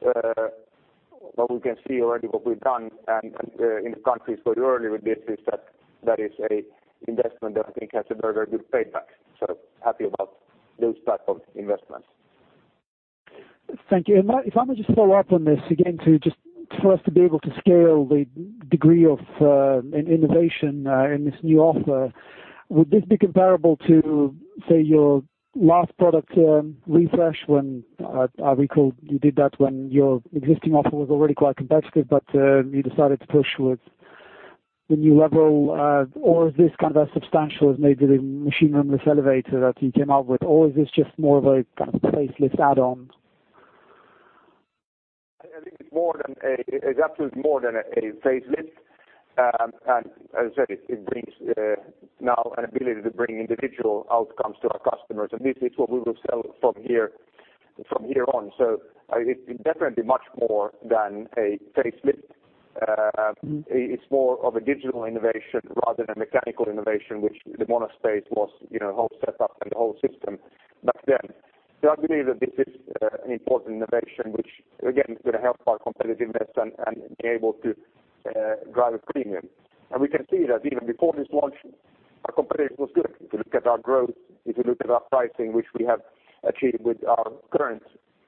We can see already what we've done and in the countries very early with this is that that is a investment that I think has a very, very good payback. Happy about those type of investments. Thank you. If I may just follow up on this again to just for us to be able to scale the degree of innovation in this new offer, would this be comparable to, say, your last product refresh when I recall you did that when your existing offer was already quite competitive, you decided to push with the new level? Is this kind of as substantial as maybe the machine room-less elevator that you came out with? Or is this just more of a kind of facelift add-on? It's absolutely more than a facelift. As I said, it brings now an ability to bring individual outcomes to our customers. This is what we will sell from here, from here on. It's definitely much more than a facelift. Mm-hmm, it's more of a digital innovation rather than a mechanical innovation, which the MonoSpace was, you know, whole setup and the whole system back then. I believe that this is an important innovation, which again, is going to help our competitiveness and be able to drive a premium. We can see that even before this launch, our competitive was good. If you look at our growth, if you look at our pricing, which we have achieved with our current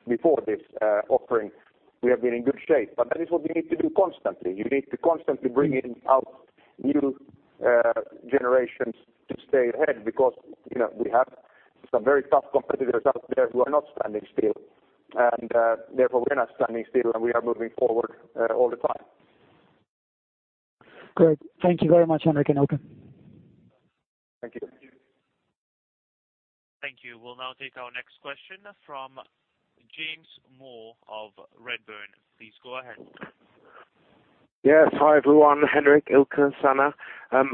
before this offering, we have been in good shape. That is what we need to do constantly. You need to constantly bring in out new generations to stay ahead because, you know, we have some very tough competitors out there who are not standing still. Therefore, we're not standing still, and we are moving forward all the time. Great. Thank you very much, Henrik and Ilkka. Thank you. Thank you. We'll now take our next question from James Moore of Redburn. Please go ahead. Yes. Hi, everyone, Henrik, Ilkka, Sanna.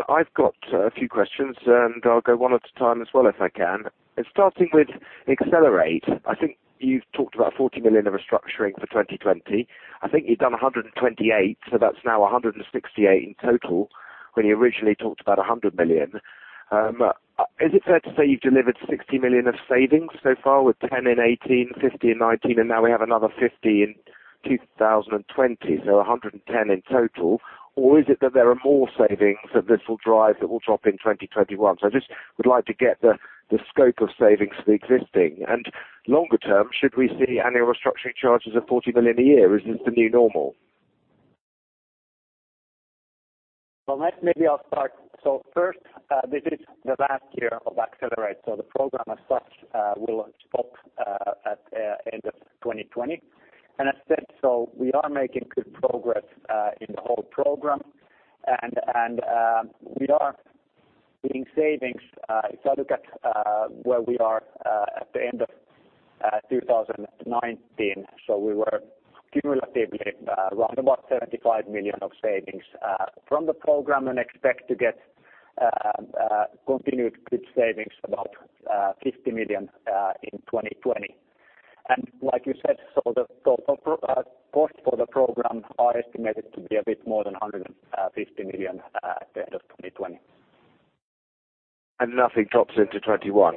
I've got a few questions, and I'll go one at a time as well if I can. Starting with Accelerate, I think you've talked about 40 million of restructuring for 2020. I think you've done 128 million, so that's now 168 million in total when you originally talked about 100 million. Is it fair to say you've delivered 60 million of savings so far with 10 million in 2018, 50 million in 2019, and now we have another 50 million in 2020, so 110 million in total? Or is it that there are more savings that this will drive that will drop in 2021? I just would like to get the scope of savings for existing. Longer term, should we see annual restructuring charges of 40 million a year? Is this the new normal? Well, maybe I'll start. First, this is the last year of Accelerate. The program as such, will stop at end of 2020. As said, we are making good progress in the whole program. We are seeing savings. If I look at where we are at the end of 2019, we were cumulatively around about 75 million of savings from the program and expect to get continued good savings about 50 million in 2020. Like you said, the total costs for the program are estimated to be a bit more than 150 million at the end of 2020. nothing drops into 2021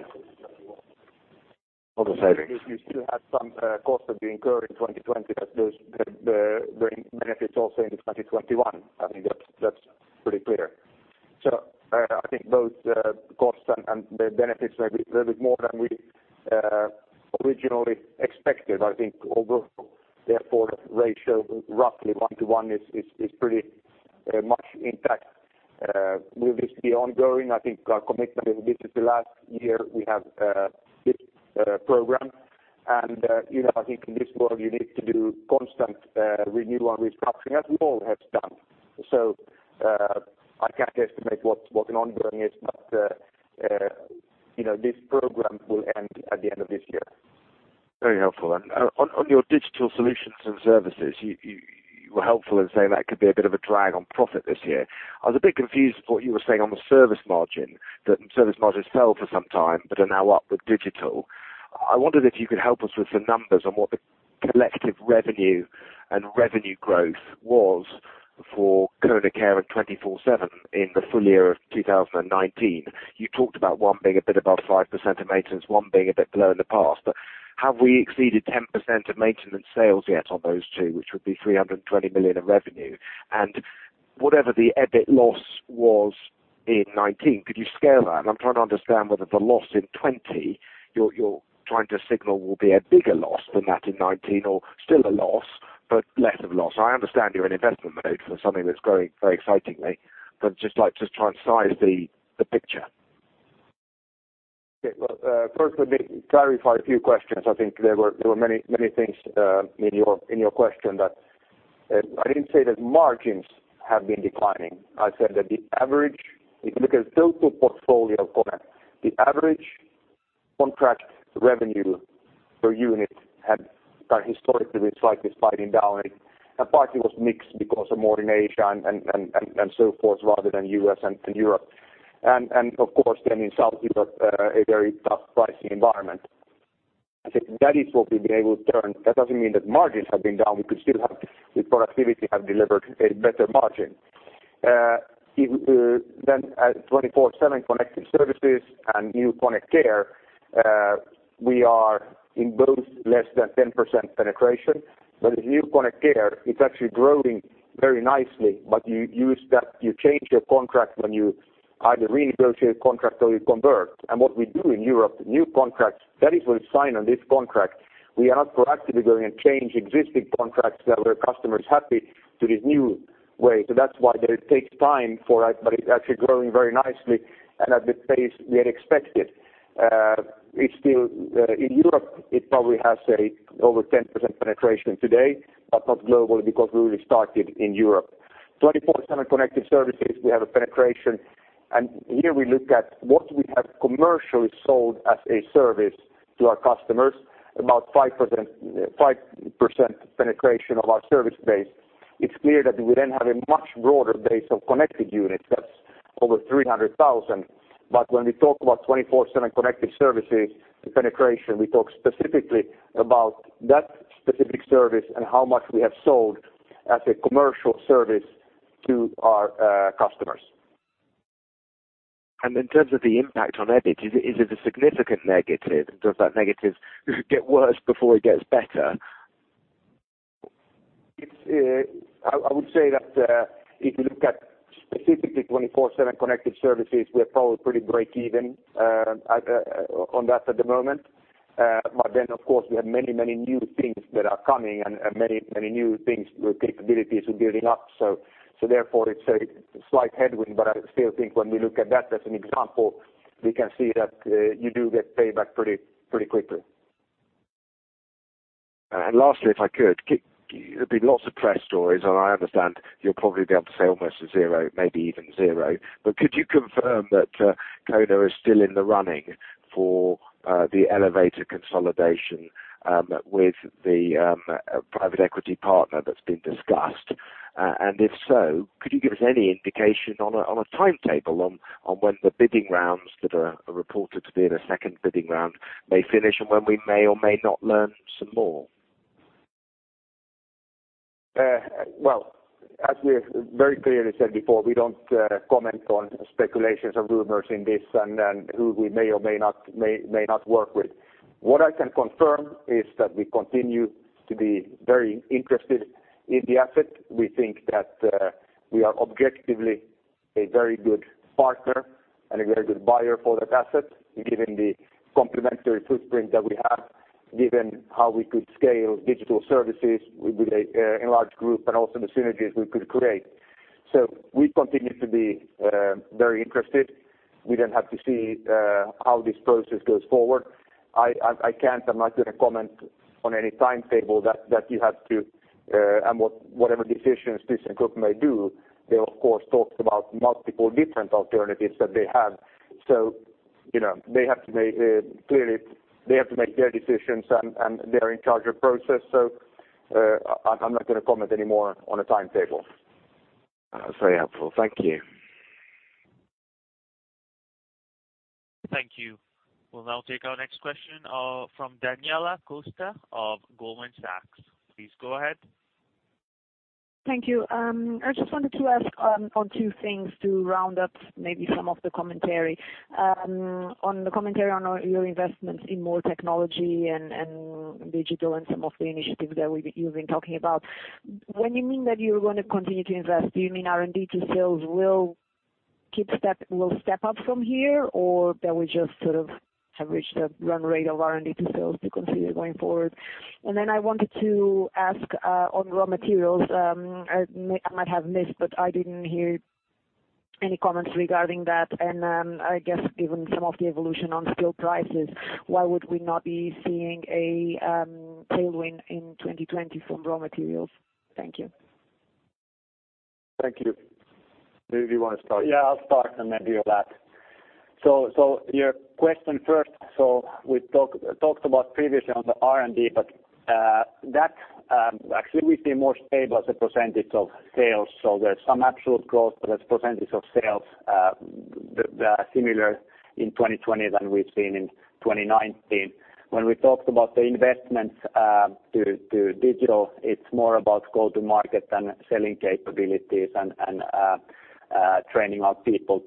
of the savings? You still have some costs that you incur in 2020 that those, the benefits also into 2021. I mean, that's pretty clear. I think both costs and the benefits may be a little bit more than we originally expected. I think overall, therefore, ratio roughly 1:1 is pretty much intact. Will this be ongoing? I think our commitment is this is the last year we have this program. You know, I think in this world you need to do constant renewal and restructuring as we all have done. I can't estimate what an ongoing is, but you know, this program will end at the end of this year. Very helpful. On your digital solutions and services, you were helpful in saying that could be a bit of a drag on profit this year. I was a bit confused what you were saying on the service margin. That service margins fell for some time, but are now up with digital. I wondered if you could help us with the numbers on what the collective revenue and revenue growth was for KONE Care and 24/7 in the full year of 2019. You talked about one being a bit above 5% in maintenance, one being a bit below in the past. Have we exceeded 10% of maintenance sales yet on those two, which would be 320 million in revenue? Whatever the EBIT loss was in 2019, could you scale that? I'm trying to understand whether the loss in 2020 you're trying to signal will be a bigger loss than that in 2019 or still a loss, but less of a loss. I understand you're in investment mode for something that's growing very excitingly, but just like to try and size the picture. Okay. Well, first let me clarify a few questions. I think there were many, many things in your question that I didn't say that margins have been declining. I said that the average, if you look at total portfolio of KONE, the average contract revenue per unit had historically been slightly sliding down, and partly it was mixed because of more in Asia and so forth, rather than U.S. and Europe. Of course then in South, we've got a very tough pricing environment. I think that is what we've been able to turn. That doesn't mean that margins have been down. We could still have the productivity have delivered a better margin. If then at 24/7 Connected Services and new KONE Care, we are in both less than 10% penetration. With new KONE Care it's actually growing very nicely, you change your contract when you either renegotiate contract or you convert. What we do in Europe, new contracts, that is what we sign on this contract. We are not proactively going and change existing contracts that our customer is happy to this new way. That's why that it takes time for us, but it's actually growing very nicely and at the pace we had expected. It's still, in Europe, it probably has, say, over 10% penetration today, but not globally because we really started in Europe. 24/7 Connected Services, we have a penetration. Here we look at what we have commercially sold as a service to our customers, about 5% penetration of our service base. It's clear that we have a much broader base of connected units. That's over 300,000. When we talk about 24/7 Connected Services, the penetration, we talk specifically about that specific service and how much we have sold as a commercial service to our customers. In terms of the impact on EBIT, is it a significant negative? Does that negative get worse before it gets better? It's, I would say that if you look at specifically 24/7 Connected Services, we're probably pretty breakeven, at, on that at the moment. Of course, we have many new things that are coming and many new things with capabilities we're building up. Therefore it's a slight headwind, but I still think when we look at that as an example, we can see that, you do get payback pretty quickly. Lastly, if I could. There's been lots of press stories, I understand you'll probably be able to say almost a 0, maybe even 0. Could you confirm that KONE is still in the running for the elevator consolidation with the private equity partner that's been discussed? If so, could you give us any indication on a timetable on when the bidding rounds that are reported to be in a second bidding round may finish and when we may or may not learn some more? As we have very clearly said before, we don't comment on speculations or rumors in this and who we may or may not work with. What I can confirm is that we continue to be very interested in the asset. We think that we are objectively a very good partner and a very good buyer for that asset, given the complementary footprint that we have, given how we could scale digital services with a enlarged group and also the synergies we could create. We continue to be very interested. We have to see how this process goes forward. I can't, I'm not going to comment on any timetable that you have to and whatever decisions thyssenkrupp may do. They, of course, talked about multiple different alternatives that they have. You know, they have to make, clearly they have to make their decisions and they're in charge of process. I'm not gonna comment any more on a timetable. Very helpful. Thank you. Thank you. We'll now take our next question from Daniela Costa of Goldman Sachs. Please go ahead. Thank you. I just wanted to ask on two things to round up maybe some of the commentary. On the commentary on your investments in more technology and digital and some of the initiatives that you've been talking about. When you mean that you're going to continue to invest, do you mean R&D to sales Will step up from here or that we just sort of have reached a run rate of R&D to sales to continue going forward? Then I wanted to ask on raw materials, I might have missed, but I didn't hear any comments regarding that. I guess given some of the evolution on steel prices, why would we not be seeing a tailwind in 2020 from raw materials? Thank you. Thank you. Do you wanna start? Yeah, I'll start and maybe you'll add. Your question first. We talked about previously on the R&D, but that actually we see more stable as a percentage of sales. There's some absolute growth, but as percentage of sales, they are similar in 2020 than we've seen in 2019. When we talked about the investments to digital, it's more about go to market than selling capabilities and training our people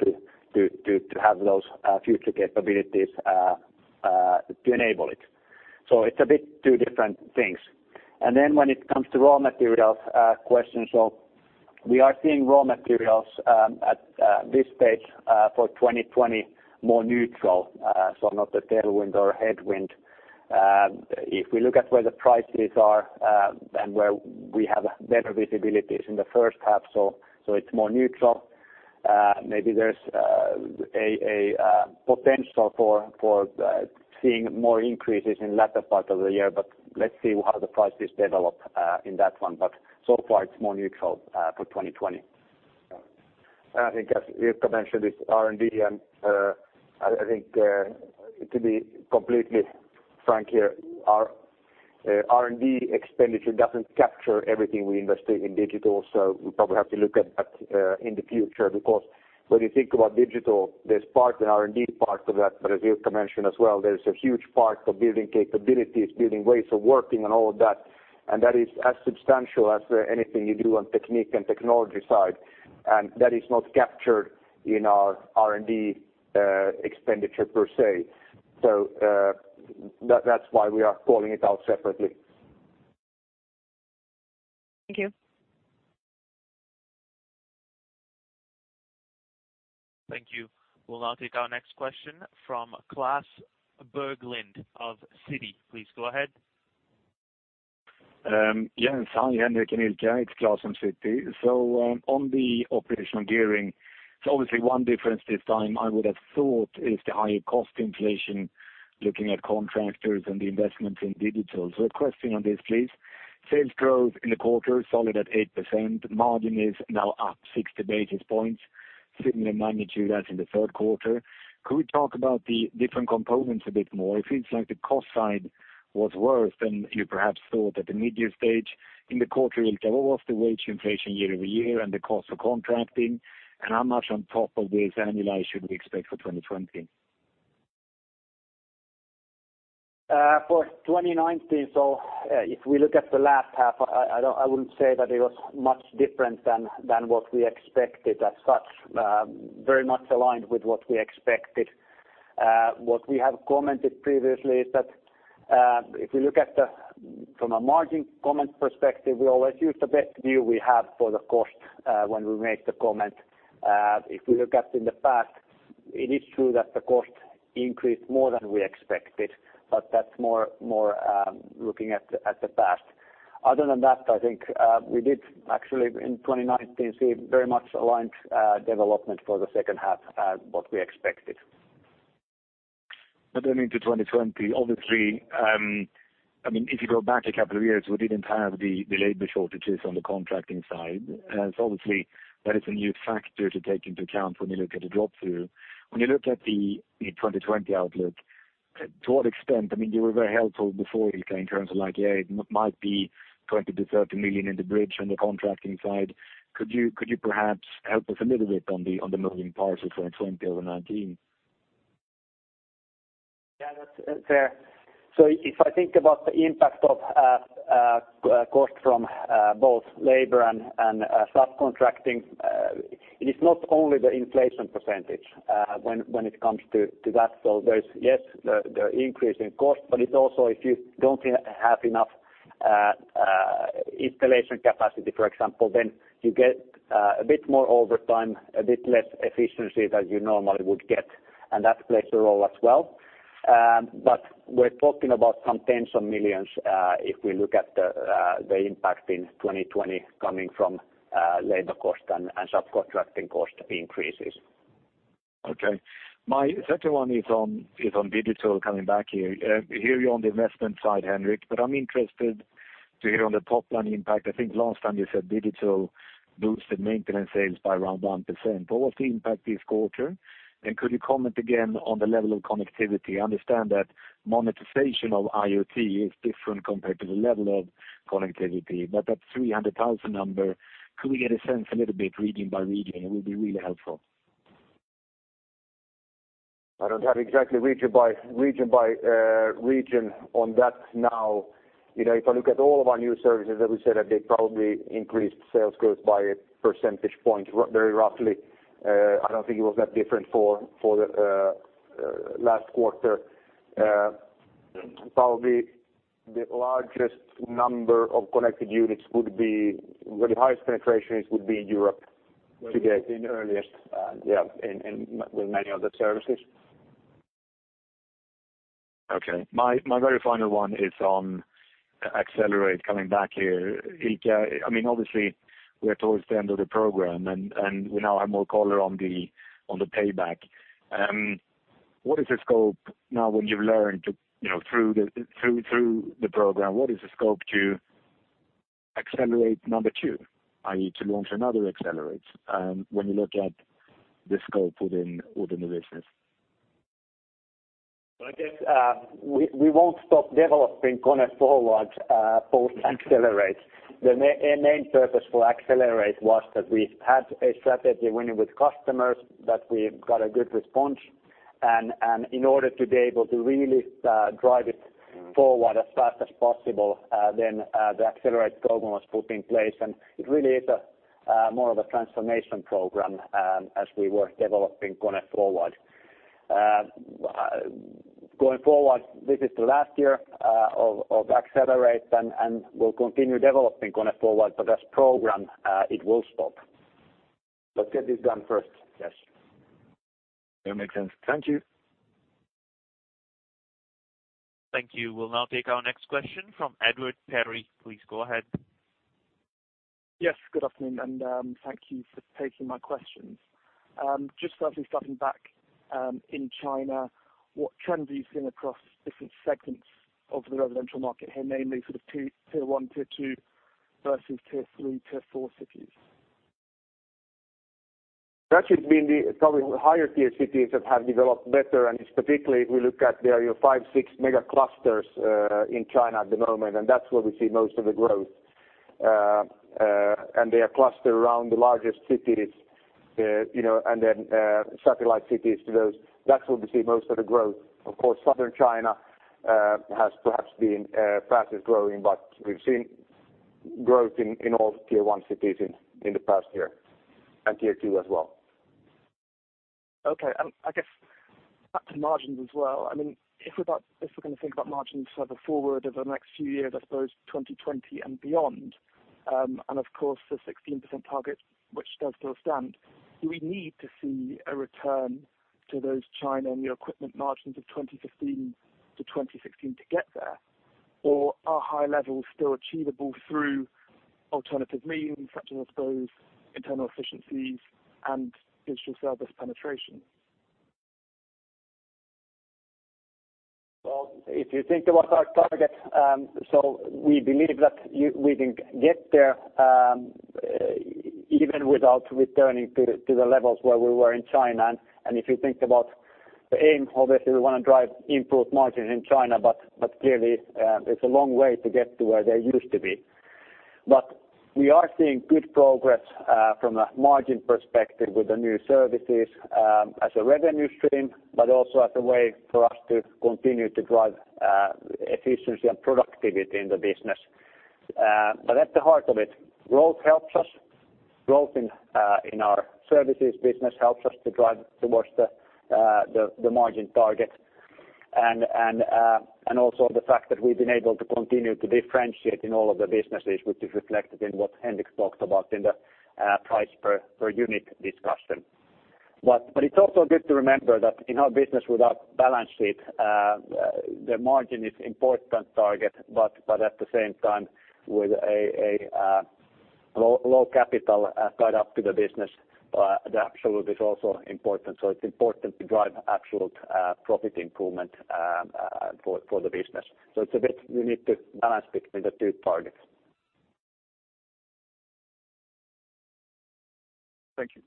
to have those future capabilities to enable it. It's a bit two different things. When it comes to raw materials question, we are seeing raw materials at this stage for 2020 more neutral. Not a tailwind or a headwind. If we look at where the prices are, and where we have better visibilities in the first half, so it's more neutral. Maybe there's a potential for seeing more increases in latter part of the year, but let's see how the prices develop in that one. So far it's more neutral for 2020. I think as Ilkka mentioned, it's R&D and I think to be completely frank here, our R&D expenditure doesn't capture everything we invest in digital. We probably have to look at that in the future. When you think about digital, there's part, an R&D part to that. As Ilkka mentioned as well, there's a huge part of building capabilities, building ways of working and all of that. That is as substantial as anything you do on technique and technology side, and that is not captured in our R&D expenditure per se. That's why we are calling it out separately. Thank you. Thank you. We'll now take our next question from Klas Bergelind of Citi. Please go ahead. Yes. Hi, Henrik and Ilkka. It's Klas from Citi. On the operational gearing, obviously one difference this time I would have thought is the higher cost inflation looking at contractors and the investments in digital. A question on this please. Sales growth in the quarter solid at 8%, margin is now up 60 basis points, similar magnitude as in the third quarter. Could we talk about the different components a bit more? It seems like the cost side was worse than you perhaps thought at the mid-year stage. In the quarter Ilkka, what was the wage inflation year-over-year and the cost for contracting? How much on top of this annualize should we expect for 2020? For 2019, if we look at the last half, I wouldn't say that it was much different than what we expected as such, very much aligned with what we expected. What we have commented previously is that, if you look from a margin comment perspective, we always use the best view we have for the cost when we make the comment. If we look in the past, it is true that the cost increased more than we expected, but that's more looking at the past. Other than that, I think, we did actually in 2019 see very much aligned development for the second half as what we expected. Into 2020, obviously, I mean, if you go back a couple of years, we didn't have the labor shortages on the contracting side. Obviously that is a new factor to take into account when you look at the drop through. When you look at the 2020 outlook, I mean, you were very helpful before Ilkka Hara in terms of like, yeah, it might be 20 million-30 million in the bridge on the contracting side. Could you perhaps help us a little bit on the moving parts of 2020 over 2019? Yeah, that's fair. If I think about the impact of cost from both labor and subcontracting, it is not only the inflation % when it comes to that. There's yes, the increase in cost, but it's also if you don't have enough installation capacity, for example, then you get a bit more over time, a bit less efficiency than you normally would get, and that plays a role as well. But we're talking about some EUR tens of millions if we look at the impact in 2020 coming from labor cost and subcontracting cost increases. Okay. My second one is on digital coming back here. Hear you on the investment side, Henrik, I'm interested to hear on the top line impact. I think last time you said digital boosted maintenance sales by around 1%. What was the impact this quarter? Could you comment again on the level of connectivity? I understand that monetization of IoT is different compared to the level of connectivity. That 300,000 number, could we get a sense a little bit region by region? It would be really helpful. I don't have exactly region by region on that now. You know, if I look at all of our new services that we said that they probably increased sales growth by a percentage point very roughly. I don't think it was that different for the last quarter. The largest number of connected units would be where the highest penetrations would be in Europe today. Where it's been earliest. Yeah. In with many of the services. Okay. My very final one is on Accelerate coming back here. Ilkka, I mean, obviously we are towards the end of the program and we now have more color on the payback. What is the scope now when you've learned to, you know, through the program, what is the scope to Accelerate number two, i.e., to launch another Accelerate, when you look at the scope within the business? Well, I guess, we won't stop developing KONE forward post Accelerate. The main purpose for Accelerate was that we had a strategy Winning with Customers that we got a good response. In order to be able to really drive it forward as fast as possible, then the Accelerate program was put in place. It really is a more of a transformation program as we were developing KONE forward. Going forward, this is the last year of Accelerate and we'll continue developing KONE forward, but as program, it will stop. Let's get this done first. Yes. Yeah, makes sense. Thank you. Thank you. We will now take our next question from Edward Perry. Please go ahead. Yes. Good afternoon. Thank you for taking my questions. just certainly starting back in China, what trends are you seeing across different segments of the residential market here, namely sort of tier one, tier two versus tier three, tier four cities? That has been the probably higher tier cities that have developed better, and specifically if we look at there are your five, six mega clusters in China at the moment, and that's where we see most of the growth. They are clustered around the largest cities, you know, and then satellite cities to those. That's where we see most of the growth. Of course, Southern China has perhaps been fastest growing, but we've seen growth in all tier one cities in the past year, and tier two as well. Okay. I guess back to margins as well, I mean, if we're gonna think about margins sort of forward over the next few years, I suppose 2020 and beyond, and of course the 16% target which does still stand, do we need to see a return to those China new equipment margins of 2015 to 2016 to get there, or are high levels still achievable through alternative means, such as those internal efficiencies and digital service penetration? Well, if you think about our target, so we believe that we can get there, even without returning to the levels where we were in China. If you think about the aim, obviously we wanna drive improved margins in China, but clearly, it's a long way to get to where they used to be. We are seeing good progress, from a margin perspective with the new services, as a revenue stream, but also as a way for us to continue to drive efficiency and productivity in the business. At the heart of it, growth helps us. Growth in our services business helps us to drive towards the margin target and also the fact that we've been able to continue to differentiate in all of the businesses, which is reflected in what Henrik talked about in the price per unit discussion. It's also good to remember that in our business without balance sheet, the margin is important target, but at the same time, with a low capital tied up to the business, the absolute is also important. It's important to drive absolute profit improvement for the business. It's a bit we need to balance between the two targets. Thank you.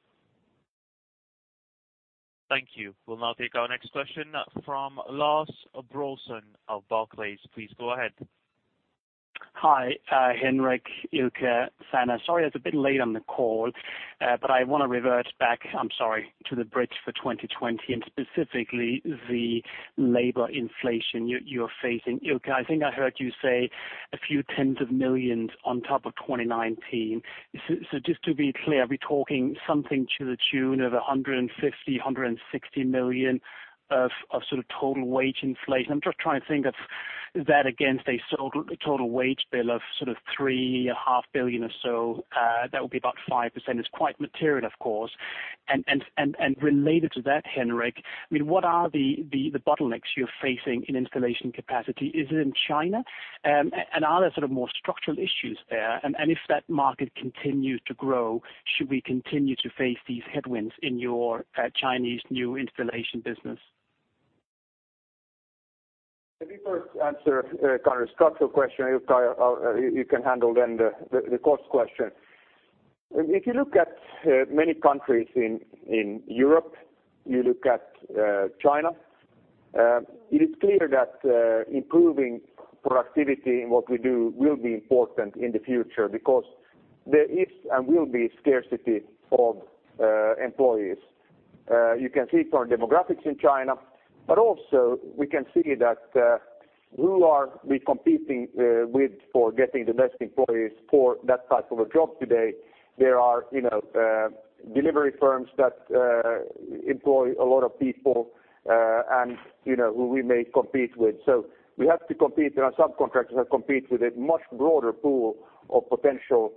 Thank you. We'll now take our next question from Lars Brorson of Barclays. Please go ahead. Hi, Henrik, Ilkka, Sanna. Sorry, it's a bit late on the call, but I wanna revert back, I'm sorry, to the bridge for 2020, and specifically the labor inflation you're facing. Ilkka, I think I heard you say a few tens of millions on top of 2019. Just to be clear, are we talking something to the tune of 150 million-160 million of sort of total wage inflation? I'm just trying to think of that against a total wage bill of sort of three and a half billion or so, that would be about 5%. It's quite material, of course. Related to that, Henrik, I mean, what are the bottlenecks you're facing in installation capacity? Is it in China? Are there sort of more structural issues there? If that market continues to grow, should we continue to face these headwinds in your Chinese new installation business? Let me first answer a kind of structural question. Ilkka, you can handle then the cost question. If you look at many countries in Europe, you look at China, it is clear that improving productivity in what we do will be important in the future because there is and will be scarcity of employees. You can see from demographics in China, but also we can see that who are we competing with for getting the best employees for that type of a job today. There are, you know, delivery firms that employ a lot of people, and, you know, who we may compete with. We have to compete and our subcontractors have compete with a much broader pool of potential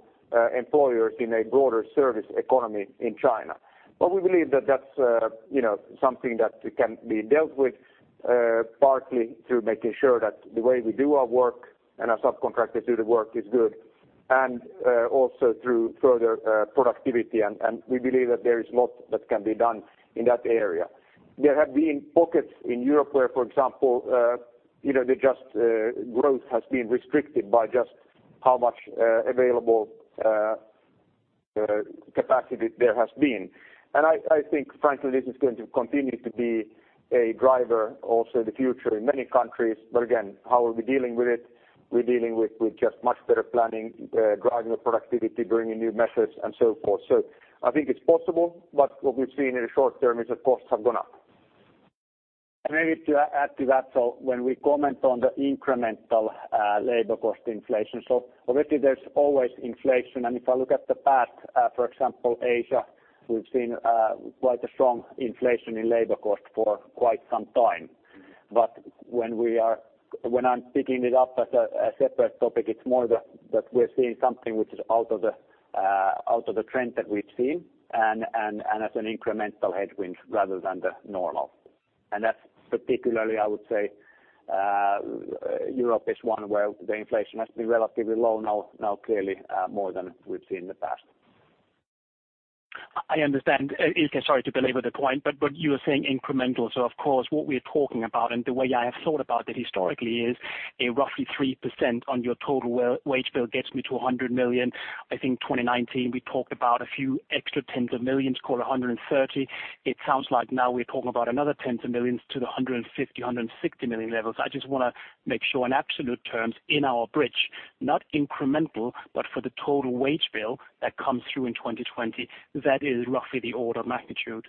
employers in a broader service economy in China. We believe that that's, you know, something that can be dealt with, partly through making sure that the way we do our work and our subcontractors do the work is good, and also through further productivity. We believe that there is a lot that can be done in that area. There have been pockets in Europe where, for example, you know, the just growth has been restricted by just how much available capacity there has been. I think frankly, this is going to continue to be a driver also in the future in many countries. Again, how are we dealing with it? We're dealing with just much better planning, driving the productivity, bringing new methods and so forth. I think it's possible, but what we've seen in the short term is that costs have gone up. Maybe to add to that. When we comment on the incremental labor cost inflation, already there's always inflation. If I look at the past, for example, Asia, we've seen quite a strong inflation in labor cost for quite some time. When I'm picking it up as a separate topic, it's more that we are seeing something which is out of the out of the trend that we've seen and as an incremental headwind rather than the normal. That's particularly, I would say, Europe is one where the inflation has been relatively low now, clearly, more than we've seen in the past. I understand. Ilkka, sorry to belabor the point, but you were saying incremental. Of course what we are talking about, and the way I have thought about it historically is a roughly 3% on your total we-wage bill gets me to 100 million. I think 2019 we talked about a few extra tens of millions, call it 130 million. It sounds like now we are talking about another tens of millions to the 150 million-160 million levels. I just wanna make sure in absolute terms in our bridge, not incremental, but for the total wage bill that comes through in 2020, that is roughly the order of magnitude.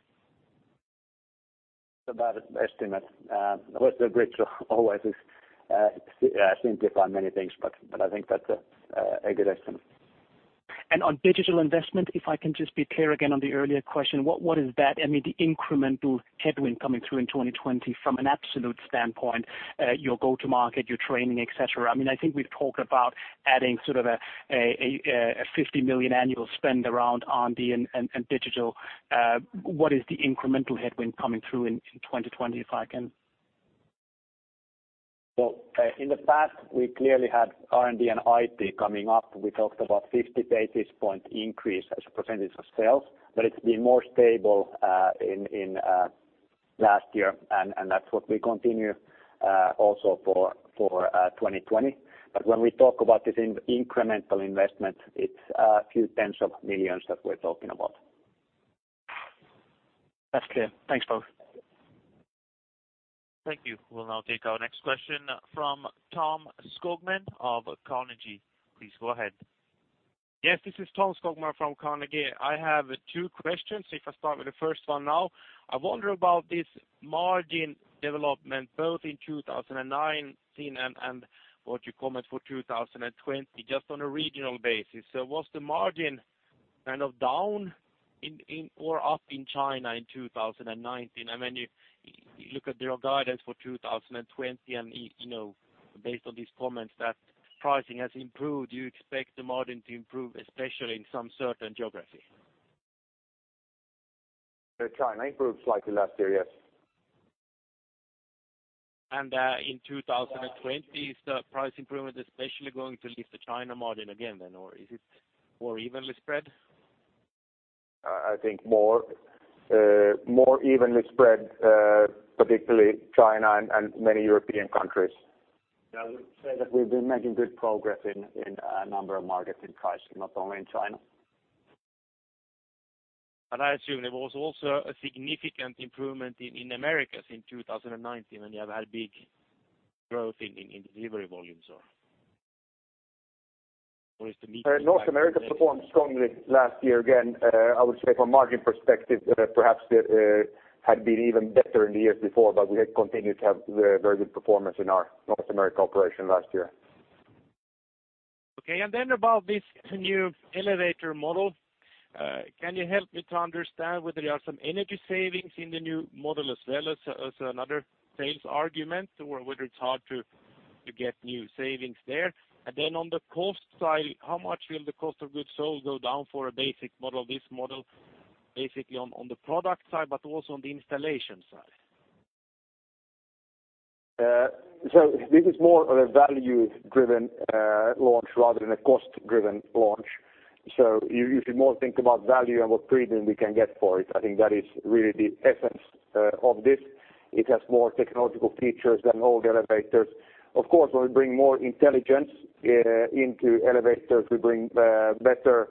About an estimate. Of course, the bridge always is simplify many things, but I think that's a good estimate. On digital investment, if I can just be clear again on the earlier question, what is that, I mean the incremental headwind coming through in 2020 from an absolute standpoint, your go-to market, your training, et cetera. I mean, I think we've talked about adding sort of a 50 million annual spend around R&D and digital. What is the incremental headwind coming through in 2020, if I can? Well, in the past we clearly had R&D and IT coming up. We talked about 50 basis point increase as a percentage of sales, but it's been more stable in last year. That's what we continue also for 2020. When we talk about this in incremental investment, it's a few tens of millions that we're talking about. That's clear. Thanks both. Thank you. We'll now take our next question from Tom Skogman of Carnegie. Please go ahead. Yes, this is Tom Skogman from Carnegie. I have two questions, if I start with the first one now. I wonder about this margin development both in 2019 and what you comment for 2020, just on a regional basis. Was the margin kind of down in or up in China in 2019? I mean, you look at your guidance for 2020 and, you know, based on these comments that pricing has improved, you expect the margin to improve, especially in some certain geography. The China improved slightly last year. Yes. In 2020, is the price improvement especially going to lift the China margin again then, or is it more evenly spread? I think more evenly spread, particularly China and many European countries. Yeah, I would say that we've been making good progress in a number of markets in pricing, not only in China. I assume there was also a significant improvement in Americas in 2019 when you have had big growth in delivery volumes or is the mix? North America performed strongly last year. Again, I would say from a margin perspective, perhaps had been even better in the years before, but we had continued to have very good performance in our North America operation last year. Okay. Then about this new elevator model, can you help me to understand whether there are some energy savings in the new model as well as another sales argument or whether it's hard to get new savings there? On the cost side, how much will the cost of goods sold go down for a basic model, this model basically on the product side, but also on the installation side? This is more of a value-driven launch rather than a cost-driven launch. You should more think about value and what premium we can get for it. I think that is really the essence of this. It has more technological features than old elevators. Of course, when we bring more intelligence into elevators, we bring better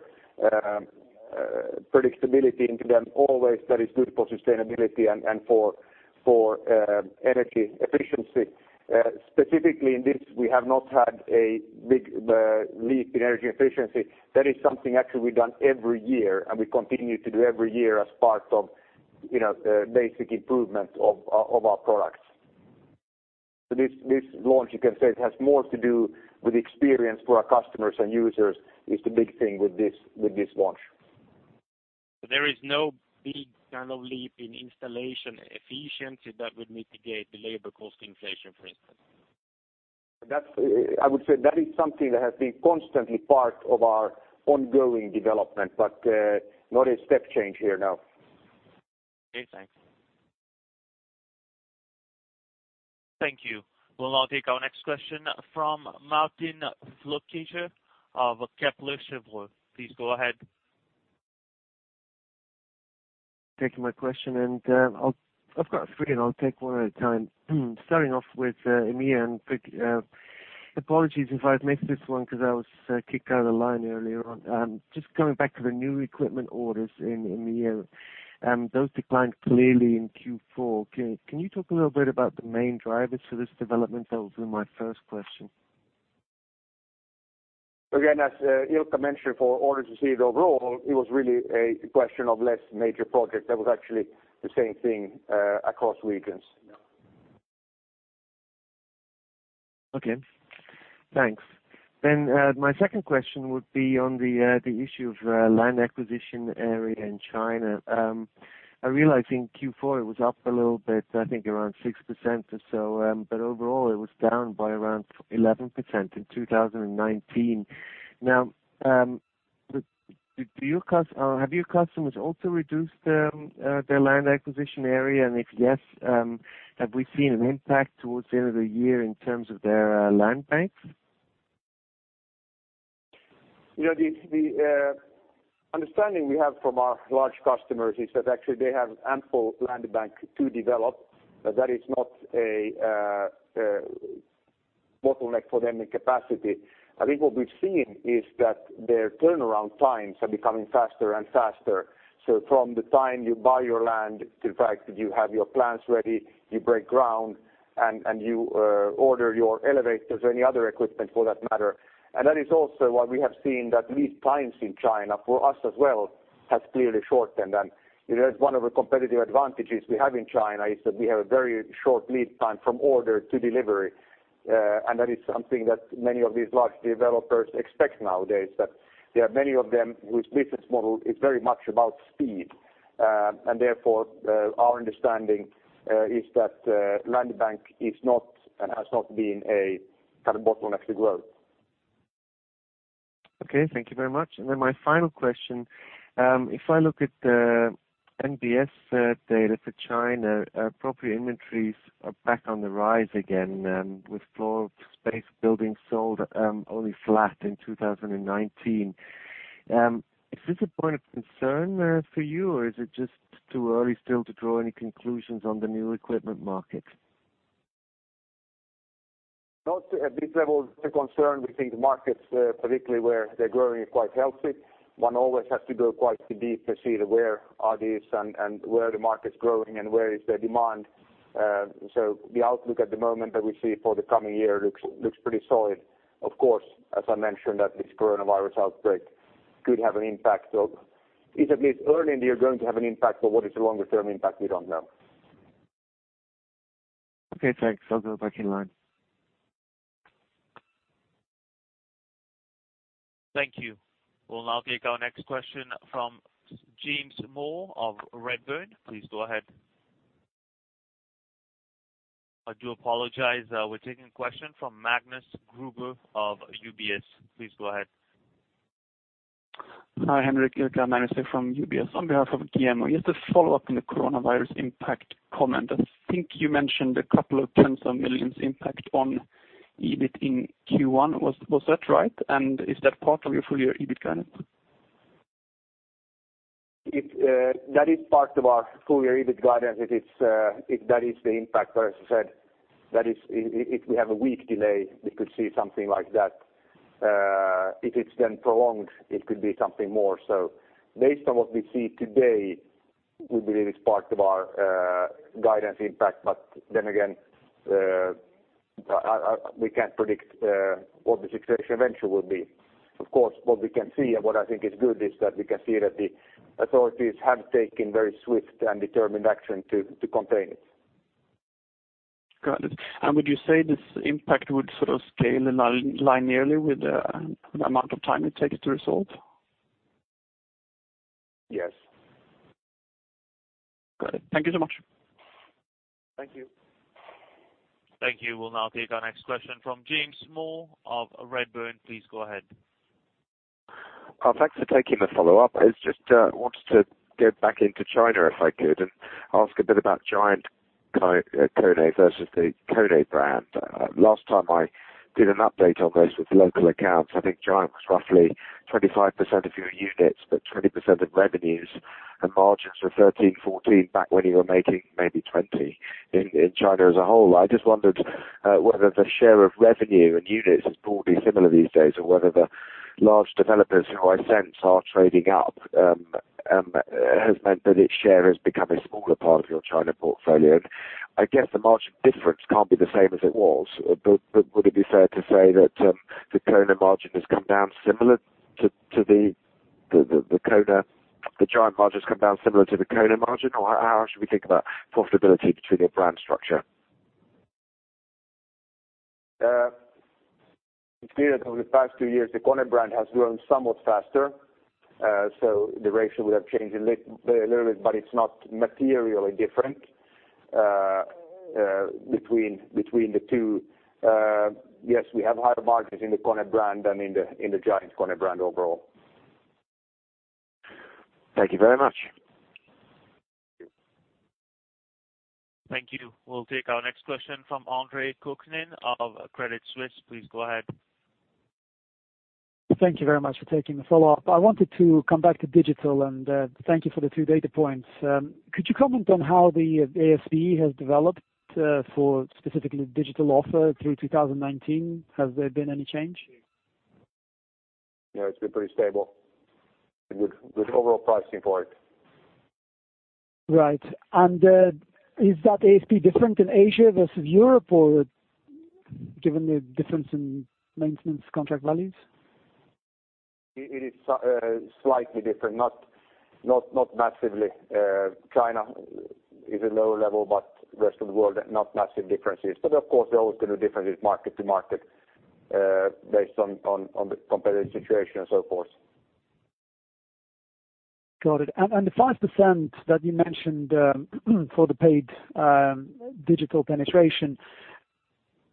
predictability into them. Always that is good for sustainability and for energy efficiency. Specifically in this, we have not had a big leap in energy efficiency. That is something actually we've done every year, and we continue to do every year as part of, you know, the basic improvement of our products. This launch, you can say it has more to do with experience for our customers and users is the big thing with this launch. There is no big kind of leap in installation efficiency that would mitigate the labor cost inflation, for instance? I would say that is something that has been constantly part of our ongoing development, but not a step change here, no. Okay, thanks. Thank you. We'll now take our next question from Martin Flueckiger of Kepler Cheuvreux. Please go ahead. Thank you for taking my question. I've got three, and I'll take one at a time. Starting off with EMEA and quick apologies if I've missed this one because I was kicked out of the line earlier on. Just coming back to the new equipment orders in EMEA, those declined clearly in Q4. Can you talk a little bit about the main drivers for this development? That was my first question. Again, as Ilkka mentioned, for orders received overall, it was really a question of less major projects. That was actually the same thing across regions. Okay, thanks. My second question would be on the issue of land acquisition area in China. I realize in Q4 it was up a little bit, I think around 6% or so. Overall, it was down by around 11% in 2019. Have your customers also reduced their land acquisition area? If yes, have we seen an impact towards the end of the year in terms of their land banks? You know, the understanding we have from our large customers is that actually they have ample land bank to develop. That is not a bottleneck for them in capacity. I think what we've seen is that their turnaround times are becoming faster and faster. From the time you buy your land to the fact that you have your plans ready, you break ground and you order your elevators or any other equipment for that matter. That is also what we have seen that lead times in China for us as well has clearly shortened. You know, it's one of the competitive advantages we have in China is that we have a very short lead time from order to delivery. That is something that many of these large developers expect nowadays, that there are many of them whose business model is very much about speed. Therefore, our understanding is that land bank is not and has not been a kind of bottleneck to growth. Okay, thank you very much. My final question, if I look at the NBS data for China, property inventories are back on the rise again, with floor space buildings sold only flat in 2019. Is this a point of concern for you, or is it just too early still to draw any conclusions on the new equipment market? Not at this level of concern. We think the markets, particularly where they're growing, are quite healthy. One always has to go quite deep to see where are these and where the market's growing and where is the demand. The outlook at the moment that we see for the coming year looks pretty solid. Of course, as I mentioned that this coronavirus outbreak could have an impact. It's at least early and they are going to have an impact, but what is the longer term impact, we don't know. Okay, thanks. I'll go back in line. Thank you. We'll now take our next question from James Moore of Redburn. Please go ahead. I do apologize. We're taking a question from Magnus Kruber of UBS. Please go ahead. Hi, Henrik. Ilkka, Magnus here from UBS on behalf of Guillermo. Just a follow-up on the coronavirus impact comment. I think you mentioned EUR a couple of tens of millions impact on EBIT in Q1. Was that right? Is that part of your full-year EBIT guidance? That is part of our full-year EBIT guidance. That is the impact. As I said, that is if we have a week delay, we could see something like that. If it's prolonged, it could be something more. Based on what we see today, we believe it's part of our guidance impact. Again, we can't predict what the situation eventually will be. Of course, what we can see and what I think is good is that we can see that the authorities have taken very swift and determined action to contain it. Got it. Would you say this impact would sort of scale linearly with the amount of time it takes to resolve? Yes. Got it. Thank you so much. Thank you. Thank you. We'll now take our next question from James Moore of Redburn. Please go ahead. Thanks for taking the follow-up. I just wanted to go back into China, if I could, and ask a bit about GiantKONE versus the KONE brand. Last time I did an update on those with local accounts, I think GiantKONE was roughly 25% of your units, but 20% of revenues and margins were 13%-14% back when you were making maybe 20% in China as a whole. I just wondered whether the share of revenue and units is broadly similar these days or whether the large developers who I sense are trading up has meant that its share has become a smaller part of your China portfolio. I guess the margin difference can't be the same as it was. Would it be fair to say that the KONE margin has come down similar to the GiantKONE margins come down similar to the KONE margin or how should we think about profitability between your brand structure? It's been over the past two years, the KONE brand has grown somewhat faster. The ratio would have changed a very little bit, but it's not materially different between the two. Yes, we have higher margins in the KONE brand than in the GiantKONE brand overall. Thank you very much. Thank you. Thank you. We'll take our next question from Andre Kukhnin of Credit Suisse. Please go ahead. Thank you very much for taking the follow-up. I wanted to come back to digital and, thank you for the two data points. Could you comment on how the ASP has developed, for specifically digital offer through 2019? Has there been any change? Yeah, it's been pretty stable with overall pricing for it. Right. Is that ASP different in Asia versus Europe or given the difference in maintenance contract values? It is slightly different, not massively. China is a lower level, but rest of the world, not massive differences. Of course, there are always gonna be differences market to market, based on the competitive situation and so forth. Got it. The 5% that you mentioned for the paid digital penetration,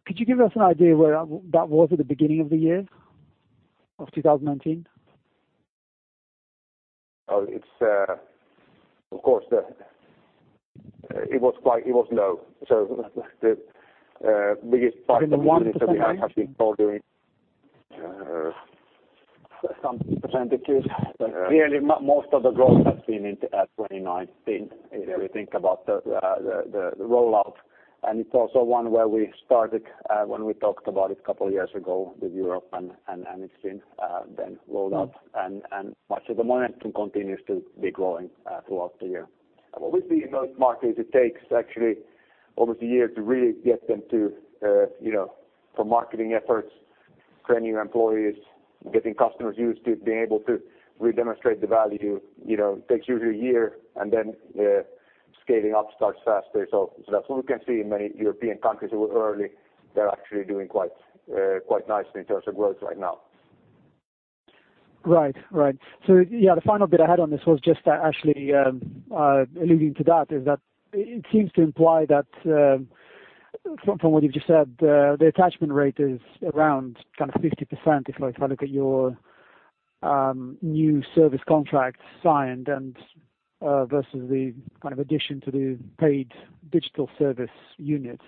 could you give us an idea where that was at the beginning of the year of 2019? It's of course, it was quite, it was low. The biggest part of the business. In 1% range? We have been growing some percentages. Clearly most of the growth has been in 2019 if you think about the rollout. It's also one where we started when we talked about it a couple of years ago with Europe and it's been then rolled out and much of the momentum continues to be growing throughout the year. Obviously, in those markets, it takes actually almost a year to really get them to, you know, from marketing efforts, training employees, getting customers used to being able to really demonstrate the value, you know, takes usually a year and then scaling up starts faster. That's what we can see in many European countries who were early. They're actually doing quite nicely in terms of growth right now. Right. Right. Yeah, the final bit I had on this was just actually alluding to that is that it seems to imply that from what you've just said, the attachment rate is around kind of 50% if I look at your new service contracts signed and versus the kind of addition to the paid digital service units.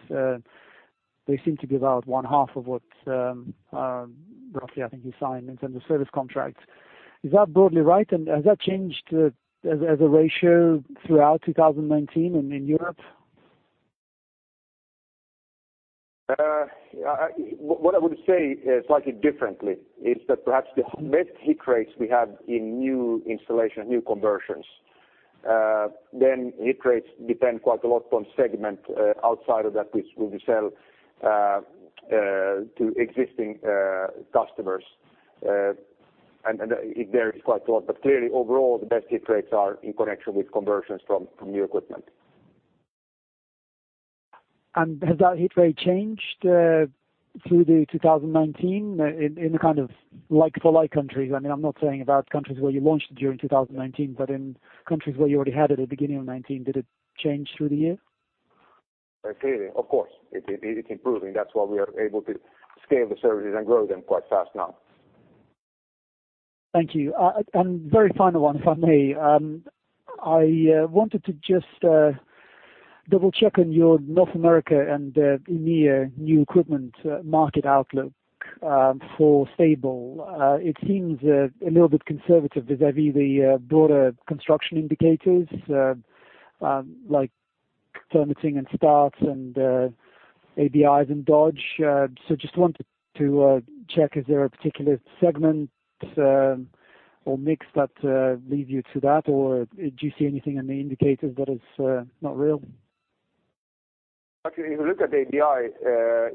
They seem to be about one half of what roughly I think you signed in terms of service contracts. Is that broadly right, and has that changed as a ratio throughout 2019 in Europe? What I would say is slightly differently is that perhaps the best hit rates we have in new installation, new conversions, then hit rates depend quite a lot on segment outside of that which we sell to existing customers. It varies quite a lot. Clearly overall, the best hit rates are in connection with conversions from new equipment. Has that hit rate changed through 2019 in the kind of like for like countries? I mean, I'm not saying about countries where you launched during 2019, but in countries where you already had at the beginning of 2019, did it change through the year? Clearly, of course, it's improving. That's why we are able to scale the services and grow them quite fast now. Thank you. Very final one, if I may. I wanted to just double-check on your North America and EMEA new equipment market outlook for stable. It seems a little bit conservative vis-a-vis the broader construction indicators like permitting and starts and ABIs and Dodge. Just wanted to check, is there a particular segment or mix that lead you to that? Or do you see anything in the indicators that is not real? Actually, if you look at the ABI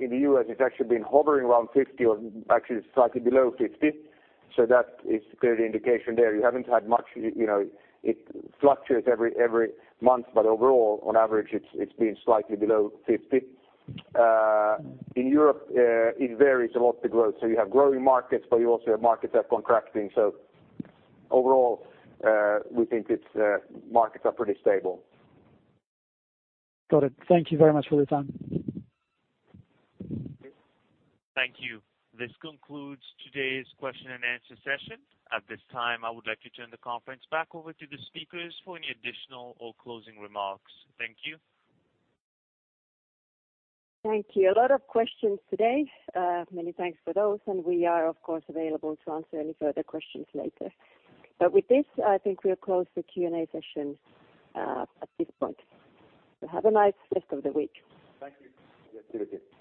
in the U.S., it's actually been hovering around 50 or actually slightly below 50. That is clearly indication there. You haven't had much, you know, it fluctuates every month, but overall, on average, it's been slightly below 50. In Europe, it varies a lot, the growth. You have growing markets, but you also have markets that are contracting. Overall, we think it's markets are pretty stable. Got it. Thank you very much for your time. Thank you. This concludes today's question and answer session. At this time, I would like to turn the conference back over to the speakers for any additional or closing remarks. Thank you. Thank you. A lot of questions today. Many thanks for those. We are, of course, available to answer any further questions later. With this, I think we'll close the Q&A session at this point. Have a nice rest of the week. Thank you. See you, see you. See you. Thank you.